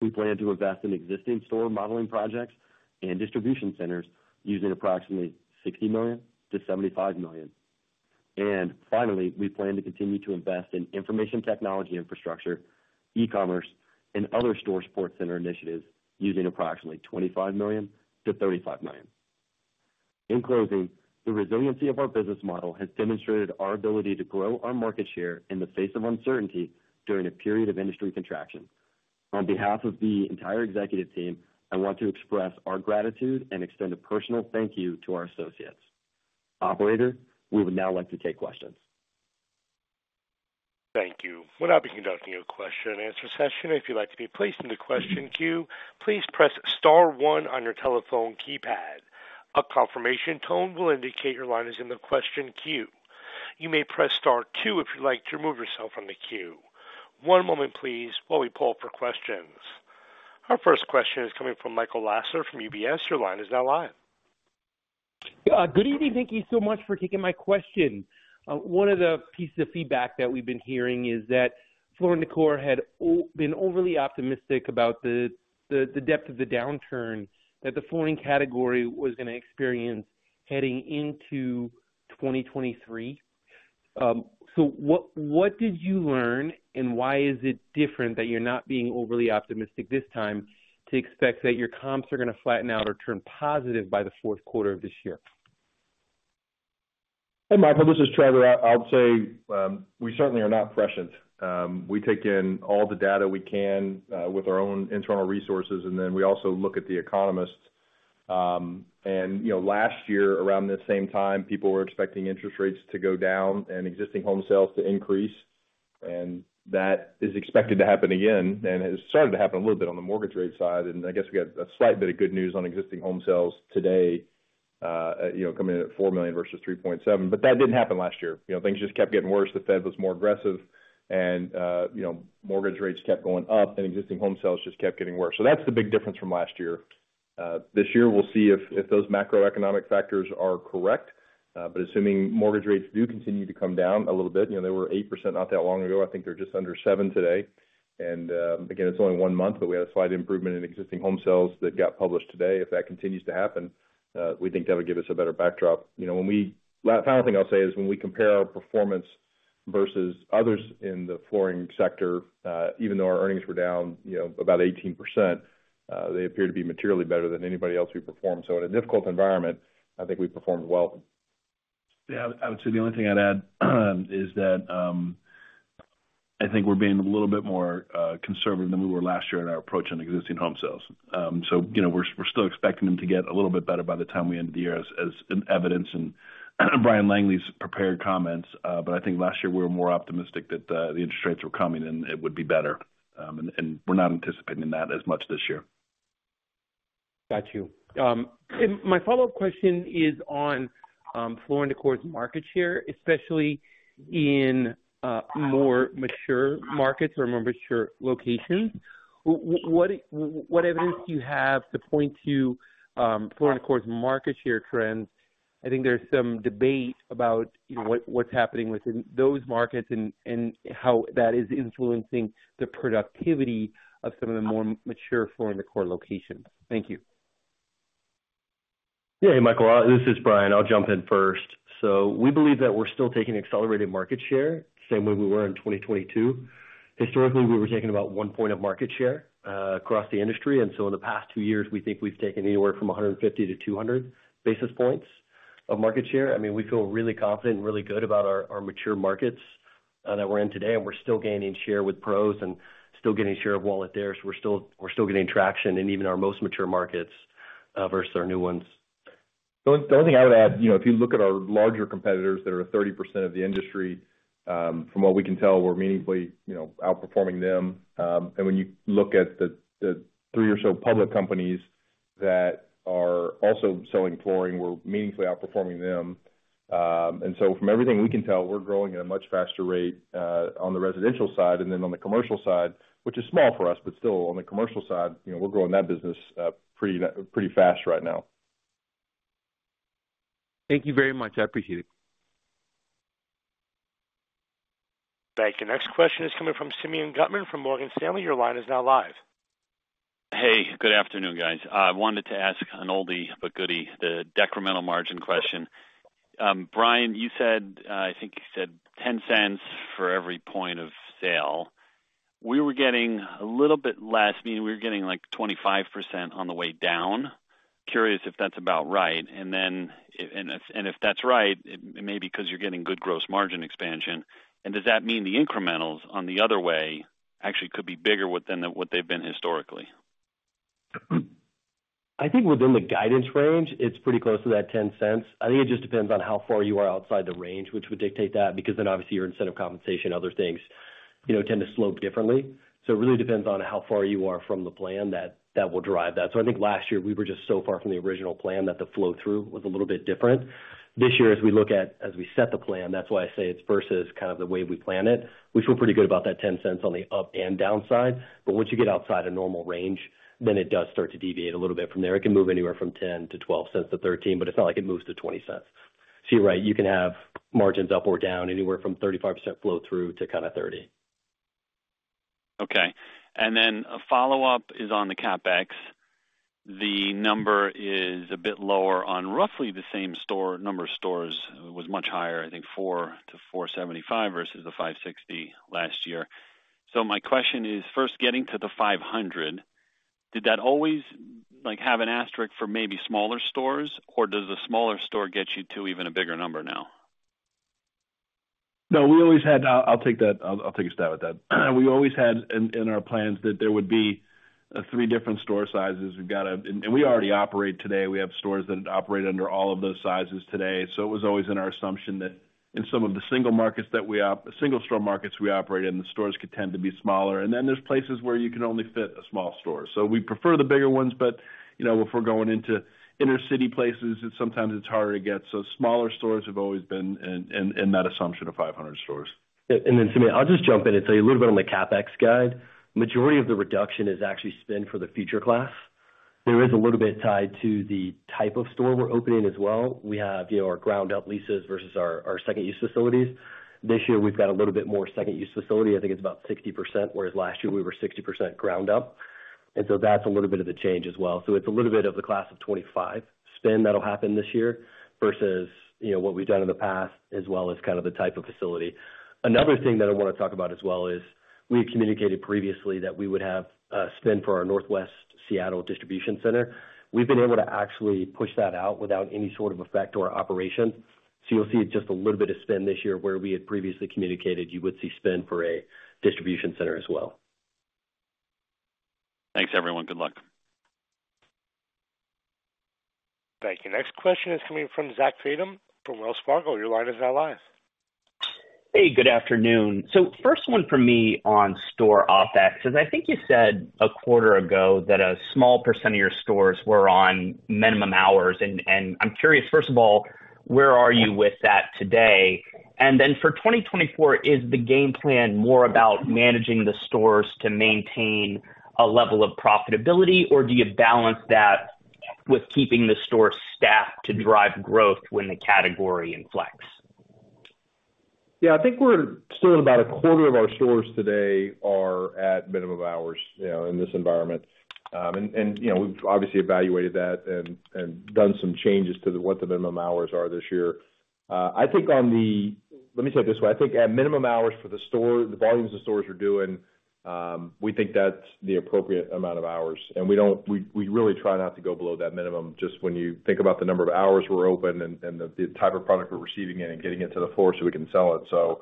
We plan to invest in existing store modeling projects and distribution centers using approximately $60 million-$75 million. Finally, we plan to continue to invest in information technology infrastructure, e-commerce, and other store support center initiatives using approximately $25 million-$35 million. In closing, the resiliency of our business model has demonstrated our ability to grow our market share in the face of uncertainty during a period of industry contraction. On behalf of the entire executive team, I want to express our gratitude and extend a personal thank you to our associates. Operator, we would now like to take questions. Thank you. We're now conducting a question and answer session. If you'd like to be placed in the question queue, please press star one on your telephone keypad. A confirmation tone will indicate your line is in the question queue. You may press star two if you'd like to remove yourself from the queue. One moment, please, while we pull up for questions. Our first question is coming from Michael Lasser from UBS. Your line is now live. Good evening. Thank you so much for taking my question. One of the pieces of feedback that we've been hearing is that Floor & Decor had been overly optimistic about the depth of the downturn that the flooring category was going to experience heading into 2023. So what did you learn, and why is it different that you're not being overly optimistic this time to expect that your comps are going to flatten out or turn positive by the fourth quarter of this year? Hey, Michael. This is Trevor. I'll say we certainly are not prescient. We take in all the data we can with our own internal resources, and then we also look at the economists. Last year, around this same time, people were expecting interest rates to go down and existing home sales to increase. That is expected to happen again and has started to happen a little bit on the mortgage rate side. I guess we got a slight bit of good news on existing home sales today coming in at 4 million versus 3.7, but that didn't happen last year. Things just kept getting worse. The Fed was more aggressive, and mortgage rates kept going up, and existing home sales just kept getting worse. That's the big difference from last year. This year, we'll see if those macroeconomic factors are correct. Assuming mortgage rates do continue to come down a little bit, they were 8% not that long ago. I think they're just under 7% today. And again, it's only one month, but we had a slight improvement in existing home sales that got published today. If that continues to happen, we think that would give us a better backdrop. The final thing I'll say is when we compare our performance versus others in the flooring sector, even though our earnings were down about 18%, they appear to be materially better than anybody else we performed. So in a difficult environment, I think we performed well. Yeah. I would say the only thing I'd add is that I think we're being a little bit more conservative than we were last year in our approach on existing home sales. So we're still expecting them to get a little bit better by the time we ended the year, as evidenced in Bryan Langley's prepared comments. But I think last year we were more optimistic that the interest rates were coming and it would be better. And we're not anticipating that as much this year. Got you. My follow-up question is on Floor & Decor's market share, especially in more mature markets or more mature locations. What evidence do you have to point to Floor & Decor's market share trends? I think there's some debate about what's happening within those markets and how that is influencing the productivity of some of the more mature Floor & Decor locations. Thank you. Yeah. Hey, Michael. This is Bryan. I'll jump in first. So we believe that we're still taking accelerated market share the same way we were in 2022. Historically, we were taking about one point of market share across the industry. And so in the past two years, we think we've taken anywhere from 150-200 basis points of market share. I mean, we feel really confident and really good about our mature markets that we're in today. And we're still gaining share with pros and still getting share of wallet there. So we're still getting traction in even our most mature markets versus our new ones. The only thing I would add, if you look at our larger competitors that are 30% of the industry, from what we can tell, we're meaningfully outperforming them. And when you look at the three or so public companies that are also selling flooring, we're meaningfully outperforming them. And so from everything we can tell, we're growing at a much faster rate on the residential side and then on the commercial side, which is small for us. But still, on the commercial side, we're growing that business pretty fast right now. Thank you very much. I appreciate it. Thank you. Next question is coming from Simeon Gutman from Morgan Stanley. Your line is now live. Hey. Good afternoon, guys. I wanted to ask an oldie but goodie, the decremental margin question. Bryan, you said I think you said $0.10 for every point of sale. We were getting a little bit less. Meaning, we were getting like 25% on the way down. Curious if that's about right. And if that's right, it may be because you're getting good gross margin expansion. And does that mean the incrementals on the other way actually could be bigger than what they've been historically? I think within the guidance range, it's pretty close to that $0.10. I think it just depends on how far you are outside the range, which would dictate that, because then obviously your incentive compensation, other things tend to slope differently. So it really depends on how far you are from the plan that will drive that. So I think last year we were just so far from the original plan that the flow-through was a little bit different. This year, as we set the plan, that's why I say it's versus kind of the way we plan it, we feel pretty good about that $0.10 on the up and down side. But once you get outside a normal range, then it does start to deviate a little bit from there. It can move anywhere from $0.10-$0.12 to $0.13, but it's not like it moves to $0.20. So you're right. You can have margins up or down anywhere from 35% flow-through to kind of 30%. Okay. And then a follow-up is on the CapEx. The number is a bit lower on roughly the same number of stores. It was much higher, I think, 4-475 versus the 560 last year. So my question is, first, getting to the 500, did that always have an asterisk for maybe smaller stores, or does the smaller store get you to even a bigger number now? No, we always had. I'll take a stab at that. We always had in our plans that there would be three different store sizes. We've got a and we already operate today. We have stores that operate under all of those sizes today. So it was always in our assumption that in some of the single markets that we single-store markets we operate in, the stores could tend to be smaller. And then there's places where you can only fit a small store. So we prefer the bigger ones. But if we're going into inner-city places, sometimes it's harder to get. So smaller stores have always been in that assumption of 500 stores. And then, Simeon, I'll just jump in and tell you a little bit on the CapEx guide. The majority of the reduction is actually spend for the future class. There is a little bit tied to the type of store we're opening as well. We have our ground-up leases versus our second-use facilities. This year, we've got a little bit more second-use facility. I think it's about 60%, whereas last year we were 60% ground-up. And so that's a little bit of the change as well. So it's a little bit of the class of 2025 spend that'll happen this year versus what we've done in the past, as well as kind of the type of facility. Another thing that I want to talk about as well is we had communicated previously that we would have spend for our Northwest Seattle Distribution Center. We've been able to actually push that out without any sort of effect to our operations. So you'll see just a little bit of spend this year where we had previously communicated you would see spend for a distribution center as well. Thanks, everyone. Good luck. Thank you. Next question is coming from Zach Fadem from Wells Fargo. Your line is now live. Hey. Good afternoon. First one from me on store OpEx is I think you said a quarter ago that a small percent of your stores were on minimum hours. And I'm curious, first of all, where are you with that today? And then for 2024, is the game plan more about managing the stores to maintain a level of profitability, or do you balance that with keeping the store staffed to drive growth when the category inflects? Yeah. I think we're still at about a quarter of our stores today are at minimum hours in this environment. We've obviously evaluated that and done some changes to what the minimum hours are this year. I think on the, let me say it this way. I think at minimum hours for the store, the volumes the stores are doing, we think that's the appropriate amount of hours. And we really try not to go below that minimum just when you think about the number of hours we're open and the type of product we're receiving, it and getting it to the floor so we can sell it. So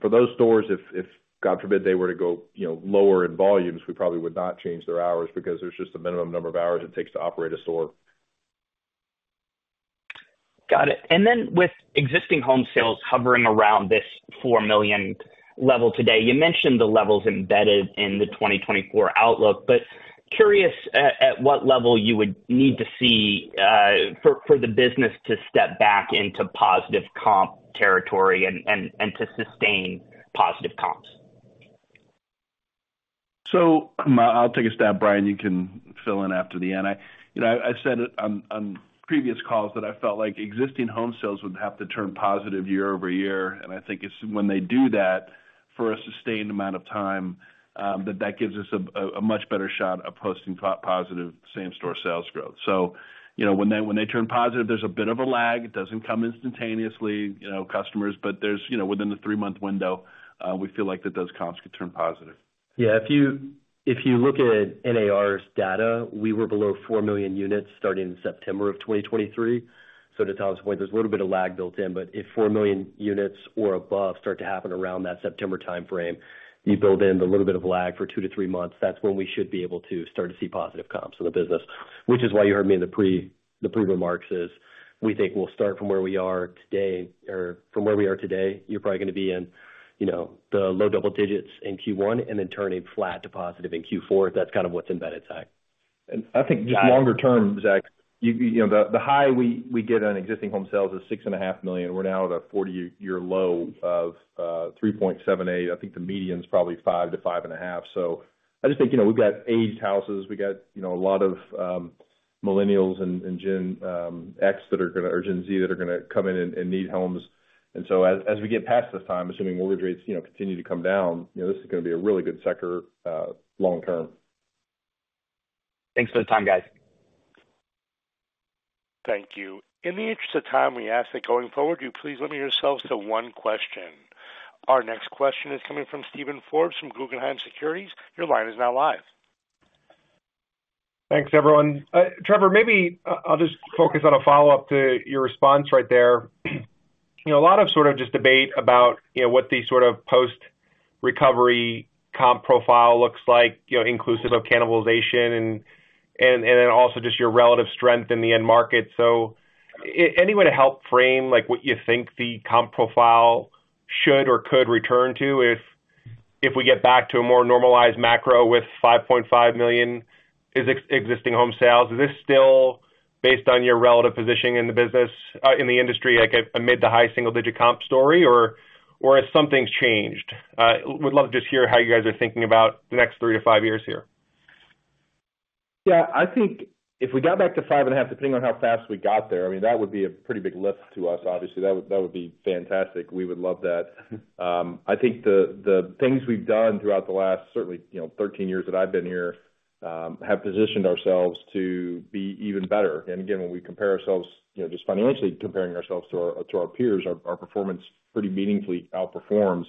for those stores, if God forbid they were to go lower in volumes, we probably would not change their hours because there's just a minimum number of hours it takes to operate a store. Got it. And then with existing home sales hovering around this 4 million level today, you mentioned the levels embedded in the 2024 outlook, but curious at what level you would need to see for the business to step back into positive comp territory and to sustain positive comps? So I'll take a stab, Bryan. You can fill in after the end. I said it on previous calls that I felt like existing home sales would have to turn positive year-over-year. And I think it's when they do that for a sustained amount of time that that gives us a much better shot of posting positive same-store sales growth. So when they turn positive, there's a bit of a lag. It doesn't come instantaneously, customers. But within the three-month window, we feel like that those comps could turn positive. Yeah. If you look at NAR's data, we were below 4 million units starting in September of 2023. So to Tom's point, there's a little bit of lag built in. But if 4 million units or above start to happen around that September timeframe, you build in the little bit of lag for two to three months, that's when we should be able to start to see positive comps in the business, which is why you heard me in the pre-remarks is we think we'll start from where we are today or from where we are today, you're probably going to be in the low double digits in Q1 and then turning flat to positive in Q4. That's kind of what's embedded, Zach. I think just longer term, Zach, the high we get on existing home sales is 6.5 million. We're now at a 40-year low of 3.78. I think the median is probably 5-5.5. So I just think we've got aged houses. We've got a lot of Millennials and Gen X that are going to or Gen Z that are going to come in and need homes. And so as we get past this time, assuming mortgage rates continue to come down, this is going to be a really good sector long term. Thanks for the time, guys. Thank you. In the interest of time, we ask that going forward, you please limit yourselves to one question. Our next question is coming from Steven Forbes from Guggenheim Securities. Your line is now live. Thanks, everyone. Trevor, maybe I'll just focus on a follow-up to your response right there. A lot of sort of just debate about what the sort of post-recovery comp profile looks like, inclusive of cannibalization, and then also just your relative strength in the end market. So any way to help frame what you think the comp profile should or could return to if we get back to a more normalized macro with 5.5 million existing home sales, is this still based on your relative positioning in the industry amid the high single-digit comp story, or has something changed? Would love to just hear how you guys are thinking about the next three to five years here. Yeah. I think if we got back to 5.5, depending on how fast we got there, I mean, that would be a pretty big lift to us, obviously. That would be fantastic. We would love that. I think the things we've done throughout the last certainly 13 years that I've been here have positioned ourselves to be even better. And again, when we compare ourselves just financially, comparing ourselves to our peers, our performance pretty meaningfully outperforms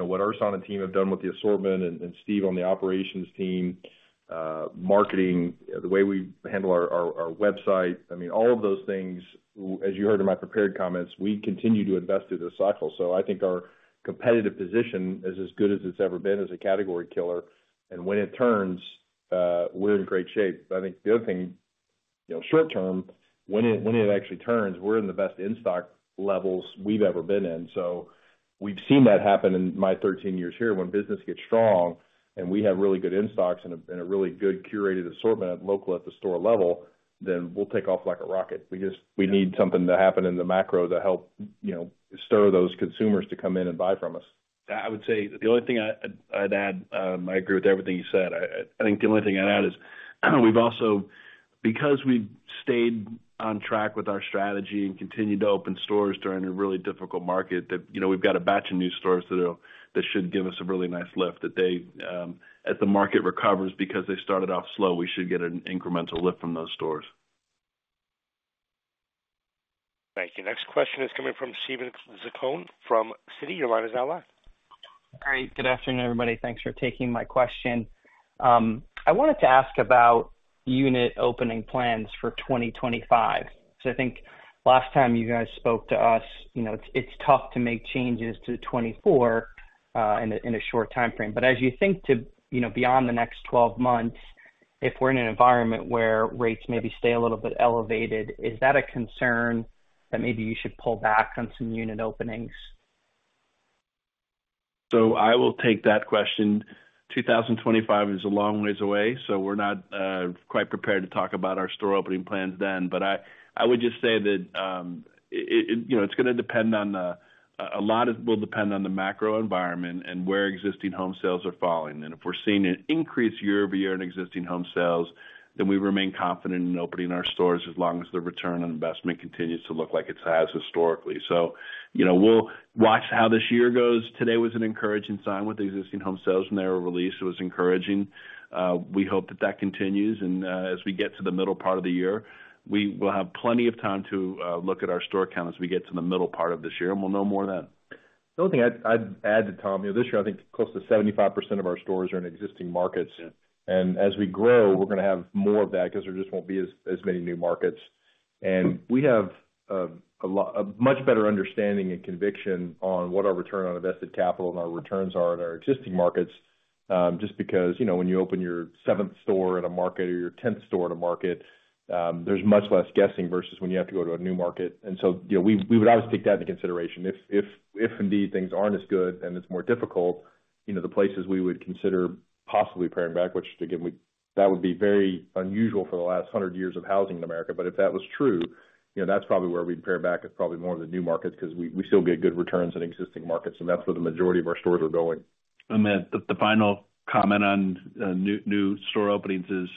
what Ersan and team have done with the assortment and Steve on the operations team, marketing, the way we handle our website. I mean, all of those things, as you heard in my prepared comments, we continue to invest through this cycle. So I think our competitive position is as good as it's ever been as a category killer. And when it turns, we're in great shape. But I think the other thing, short term, when it actually turns, we're in the best in-stock levels we've ever been in. So we've seen that happen in my 13 years here. When business gets strong and we have really good in-stocks and a really good curated assortment local at the store level, then we'll take off like a rocket. We need something to happen in the macro to help stir those consumers to come in and buy from us. I would say the only thing I'd add, and I agree with everything you said. I think the only thing I'd add is because we've stayed on track with our strategy and continued to open stores during a really difficult market, that we've got a batch of new stores that should give us a really nice lift. That as the market recovers because they started off slow, we should get an incremental lift from those stores. Thank you. Next question is coming from Steven Zaccone from Citi. Your line is now live. All right. Good afternoon, everybody. Thanks for taking my question. I wanted to ask about unit opening plans for 2025. Because I think last time you guys spoke to us, it's tough to make changes to 2024 in a short timeframe. But as you think beyond the next 12 months, if we're in an environment where rates maybe stay a little bit elevated, is that a concern that maybe you should pull back on some unit openings? So I will take that question. 2025 is a long ways away, so we're not quite prepared to talk about our store opening plans then. But I would just say that it's going to depend on the macro environment and where existing home sales are falling. And if we're seeing an increase year-over-year in existing home sales, then we remain confident in opening our stores as long as the return on investment continues to look like it has historically. So we'll watch how this year goes. Today was an encouraging sign with existing home sales when they were released. It was encouraging. We hope that that continues. As we get to the middle part of the year, we will have plenty of time to look at our store account as we get to the middle part of this year, and we'll know more then. The only thing I'd add to Tom, this year, I think close to 75% of our stores are in existing markets. As we grow, we're going to have more of that because there just won't be as many new markets. And we have a much better understanding and conviction on what our return on invested capital and our returns are in our existing markets just because when you open your seventh store at a market or your tenth store at a market, there's much less guessing versus when you have to go to a new market. And so we would always take that into consideration. If indeed things aren't as good and it's more difficult, the places we would consider possibly paring back, which again, that would be very unusual for the last 100 years of housing in America. But if that was true, that's probably where we'd pare back is probably more of the new markets because we still get good returns in existing markets. That's where the majority of our stores are going. I mean, the final comment on new store openings is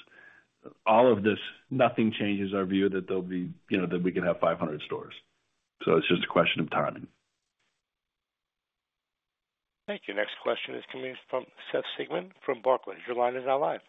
all of this, nothing changes our view that there'll be that we could have 500 stores. So it's just a question of timing. Thank you. Next question is coming from Seth Sigman from Barclays. Your line is now live.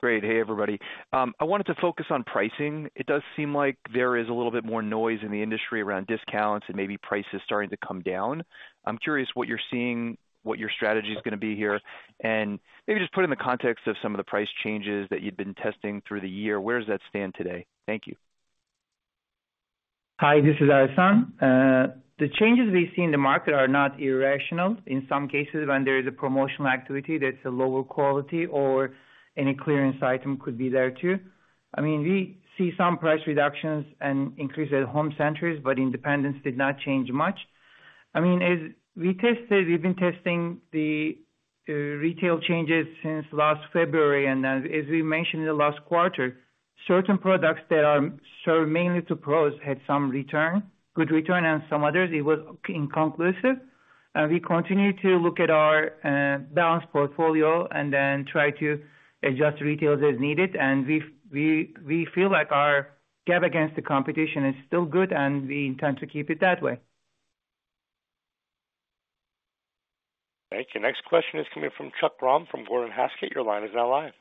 Great. Hey, everybody. I wanted to focus on pricing. It does seem like there is a little bit more noise in the industry around discounts and maybe prices starting to come down. I'm curious what you're seeing, what your strategy is going to be here. Maybe just put in the context of some of the price changes that you'd been testing through the year, where does that stand today? Thank you. Hi. This is Ersan. The changes we see in the market are not irrational. In some cases, when there is a promotional activity, that's a lower quality or any clearance item could be there too. I mean, we see some price reductions and increases at home centers, but independents did not change much. I mean, as we tested, we've been testing the retail changes since last February. And then, as we mentioned in the last quarter, certain products that are served mainly to pros had some return, good return, and some others. It was inconclusive. And we continue to look at our balanced portfolio and then try to adjust retails as needed. And we feel like our gap against the competition is still good, and we intend to keep it that way. Thank you. Next question is coming from Chuck Grom from Gordon Haskett. Your line is now live.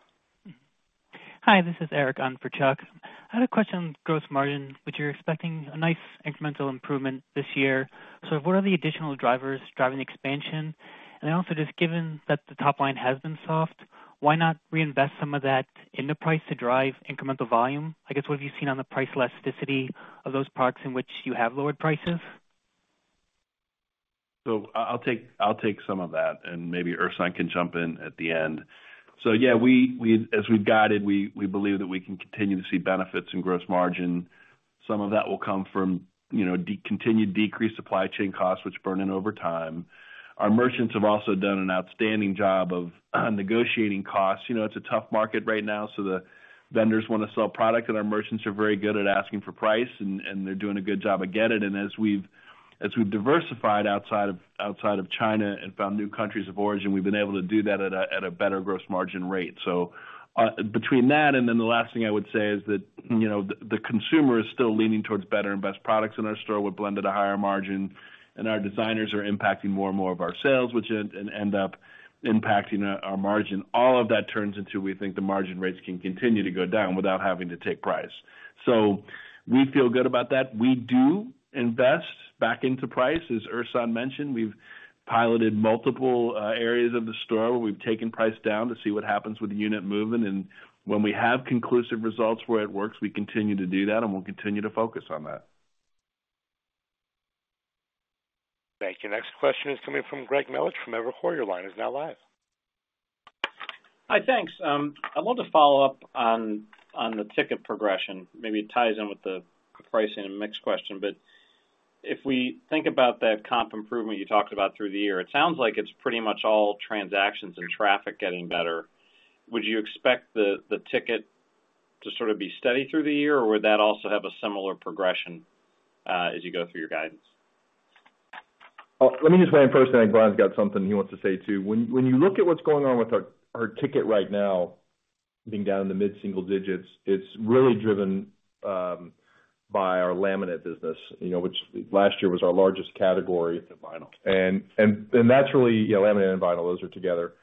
Hi. This is Eric on for Chuck. I had a question on gross margin. Would you be expecting a nice incremental improvement this year? So what are the additional drivers driving the expansion? And then also just given that the top line has been soft, why not reinvest some of that in the price to drive incremental volume? I guess what have you seen on the price elasticity of those products in which you have lowered prices? So I'll take some of that, and maybe Ersan can jump in at the end. So yeah, as we've guided, we believe that we can continue to see benefits in gross margin. Some of that will come from continued decreased supply chain costs, which burn in over time. Our merchants have also done an outstanding job of negotiating costs. It's a tough market right now, so the vendors want to sell product, and our merchants are very good at asking for price, and they're doing a good job at getting it. And as we've diversified outside of China and found new countries of origin, we've been able to do that at a better gross margin rate. So between that and then the last thing I would say is that the consumer is still leaning towards better and best products in our store would blend at a higher margin. Our designers are impacting more and more of our sales, which end up impacting our margin. All of that turns into, we think, the margin rates can continue to go down without having to take price. We feel good about that. We do invest back into price, as Ersan mentioned. We've piloted multiple areas of the store where we've taken price down to see what happens with the unit moving. When we have conclusive results where it works, we continue to do that, and we'll continue to focus on that. Thank you. Next question is coming from Greg Melich from Evercore. Your line is now live. Hi. Thanks. I'd love to follow up on the ticket progression. Maybe it ties in with the pricing and mixed question. But if we think about that comp improvement you talked about through the year, it sounds like it's pretty much all transactions and traffic getting better. Would you expect the ticket to sort of be steady through the year, or would that also have a similar progression as you go through your guidance? Let me just weigh in first. I think Bryan's got something he wants to say too. When you look at what's going on with our ticket right now being down in the mid-single digits, it's really driven by our laminate business, which last year was our largest category. And vinyl. That's really, yeah, laminate and vinyl, those are together.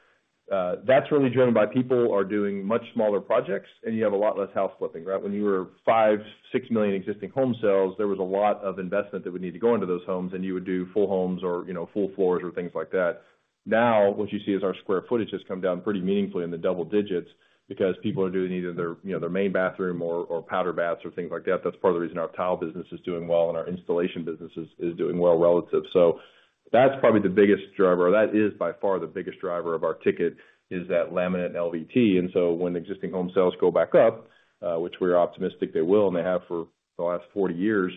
That's really driven by people are doing much smaller projects, and you have a lot less house flipping, right? When you were 5-6 million existing home sales, there was a lot of investment that would need to go into those homes, and you would do full homes or full floors or things like that. Now, what you see is our square footage has come down pretty meaningfully in the double digits because people are doing either their main bathroom or powder baths or things like that. That's part of the reason our tile business is doing well, and our installation business is doing well relative. So that's probably the biggest driver, or that is by far the biggest driver of our ticket, is that laminate and LVT. When existing home sales go back up, which we're optimistic they will, and they have for the last 40 years,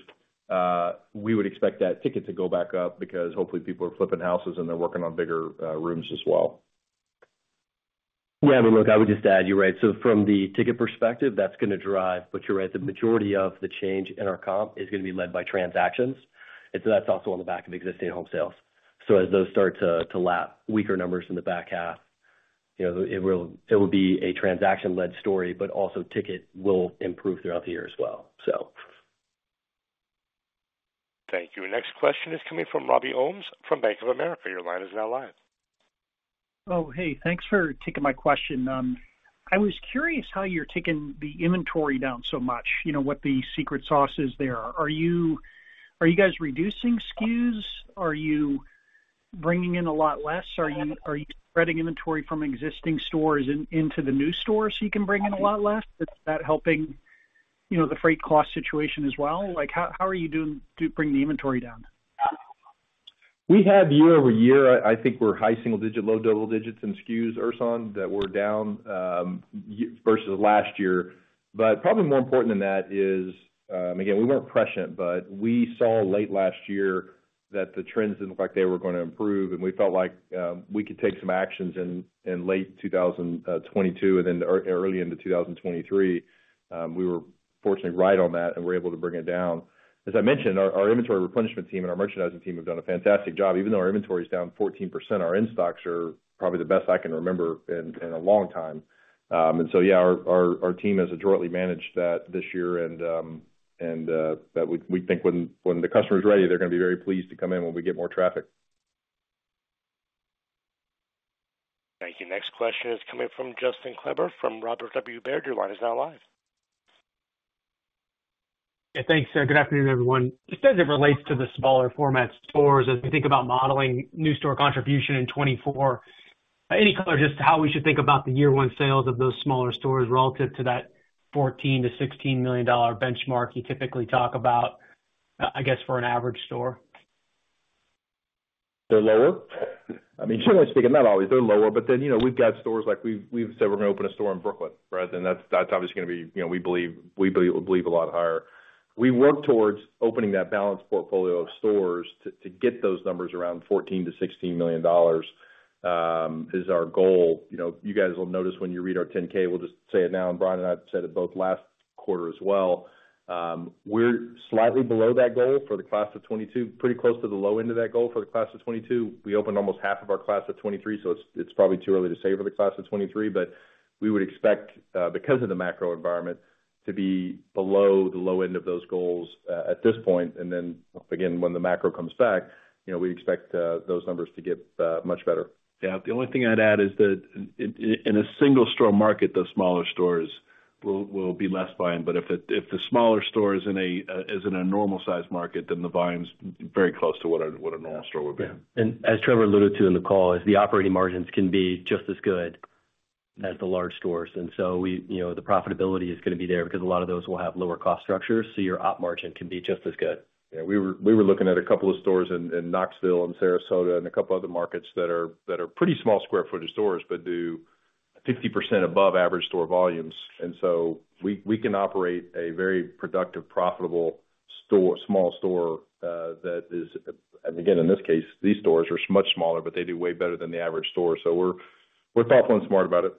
we would expect that ticket to go back up because hopefully, people are flipping houses, and they're working on bigger rooms as well. Yeah. I mean, look, I would just add, you're right. So from the ticket perspective, that's going to drive. But you're right, the majority of the change in our comp is going to be led by transactions. And so that's also on the back of existing home sales. So as those start to lap, weaker numbers in the back half, it will be a transaction-led story, but also ticket will improve throughout the year as well, so. Thank you. Next question is coming from Robby Ohmes from Bank of America. Your line is now live. Oh, hey. Thanks for taking my question. I was curious how you're taking the inventory down so much, what the secret sauce is there. Are you guys reducing SKUs? Are you bringing in a lot less? Are you spreading inventory from existing stores into the new store so you can bring in a lot less? Is that helping the freight cost situation as well? How are you doing bringing the inventory down? We have year-over-year, I think we're high single-digit, low double-digit in SKUs, Ersan, that we're down versus last year. But probably more important than that is, again, we weren't prescient, but we saw late last year that the trends didn't look like they were going to improve. And we felt like we could take some actions in late 2022 and then early into 2023. We were fortunately right on that, and we're able to bring it down. As I mentioned, our inventory replenishment team and our merchandising team have done a fantastic job. Even though our inventory is down 14%, our in-stocks are probably the best I can remember in a long time. And so yeah, our team has adroitly managed that this year. And we think when the customer's ready, they're going to be very pleased to come in when we get more traffic. Thank you. Next question is coming from Justin Kleber from Robert W. Baird. Your line is now live. Yeah. Thanks. Good afternoon, everyone. Just as it relates to the smaller format stores, as we think about modeling new store contribution in 2024, any color just how we should think about the year-one sales of those smaller stores relative to that $14-16 million benchmark you typically talk about, I guess, for an average store? They're lower. I mean, generally speaking, not always. They're lower. But then we've got stores like we've said we're going to open a store in Brooklyn, right? And that's obviously going to be we believe a lot higher. We work towards opening that balanced portfolio of stores to get those numbers around $14 million-$16 million is our goal. You guys will notice when you read our 10-K, we'll just say it now. And Bryan and I said it both last quarter as well. We're slightly below that goal for the class of 2022, pretty close to the low end of that goal for the class of 2022. We opened almost half of our class of 2023, so it's probably too early to say for the class of 2023. But we would expect, because of the macro environment, to be below the low end of those goals at this point. Then again, when the macro comes back, we expect those numbers to get much better. Yeah. The only thing I'd add is that in a single-store market, those smaller stores will be less buying. But if the smaller store is in a normal-sized market, then the volume's very close to what a normal store would be. Yeah. As Trevor alluded to in the call, the operating margins can be just as good as the large stores. So the profitability is going to be there because a lot of those will have lower cost structures. Your op margin can be just as good. Yeah. We were looking at a couple of stores in Knoxville and Sarasota and a couple of other markets that are pretty small square footage stores but do 50% above average store volumes. And so we can operate a very productive, profitable small store that is and again, in this case, these stores are much smaller, but they do way better than the average store. So we're thoughtful and smart about it.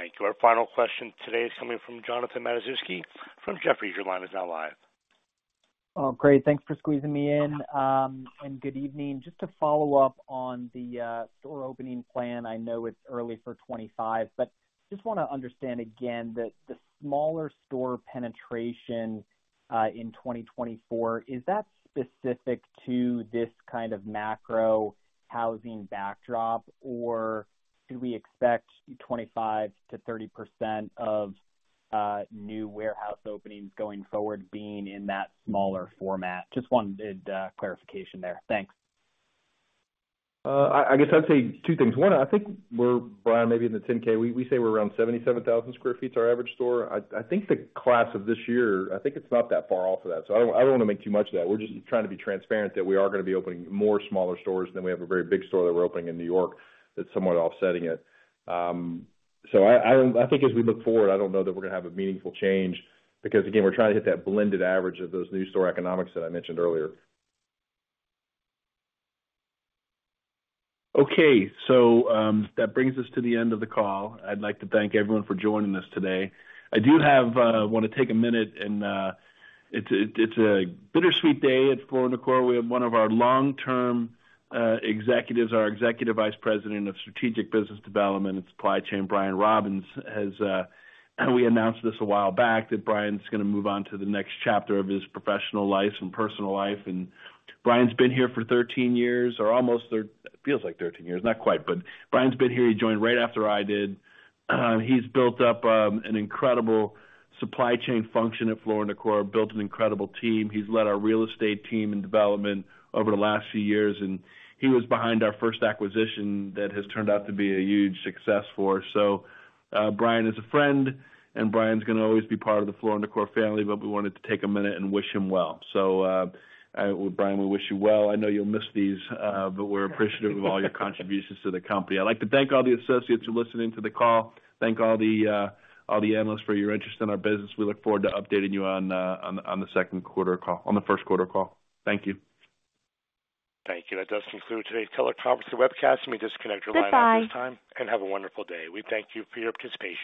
Thank you. Our final question today is coming from Jonathan Matuszewski from Jefferies. Your line is now live. Great. Thanks for squeezing me in. Good evening. Just to follow up on the store opening plan, I know it's early for 2025, but just want to understand again the smaller store penetration in 2024, is that specific to this kind of macro housing backdrop, or do we expect 25%-30% of new warehouse openings going forward being in that smaller format? Just wanted clarification there. Thanks. I guess I'd say two things. One, I think we're, Brian, maybe in the 10-K, we say we're around 77,000 sq ft, our average store. I think the class of this year, I think it's not that far off of that. So I don't want to make too much of that. We're just trying to be transparent that we are going to be opening more smaller stores than we have a very big store that we're opening in New York that's somewhat offsetting it. So I think as we look forward, I don't know that we're going to have a meaningful change because, again, we're trying to hit that blended average of those new store economics that I mentioned earlier. Okay. So that brings us to the end of the call. I'd like to thank everyone for joining us today. I do want to take a minute, and it's a bittersweet day at Floor & Decor. We have one of our long-term executives, our Executive Vice President of strategic business development and supply chain, Brian Robbins. As we announced this a while back, Brian's going to move on to the next chapter of his professional life and personal life. And Brian's been here for 13 years or almost feels like 13 years, not quite. But Brian's been here. He joined right after I did. He's built up an incredible supply chain function at Floor & Decor, built an incredible team. He's led our real estate team in development over the last few years. He was behind our first acquisition that has turned out to be a huge success for us. So Brian is a friend, and Brian's going to always be part of the Floor & Decor family. But we wanted to take a minute and wish him well. So Brian, we wish you well. I know you'll miss these, but we're appreciative of all your contributions to the company. I'd like to thank all the associates who listened into the call. Thank all the analysts for your interest in our business. We look forward to updating you on the second quarter call on the first quarter call. Thank you. Thank you. That does conclude today's teleconference and webcast. Let me disconnect your line at this time and have a wonderful day. We thank you for your participation.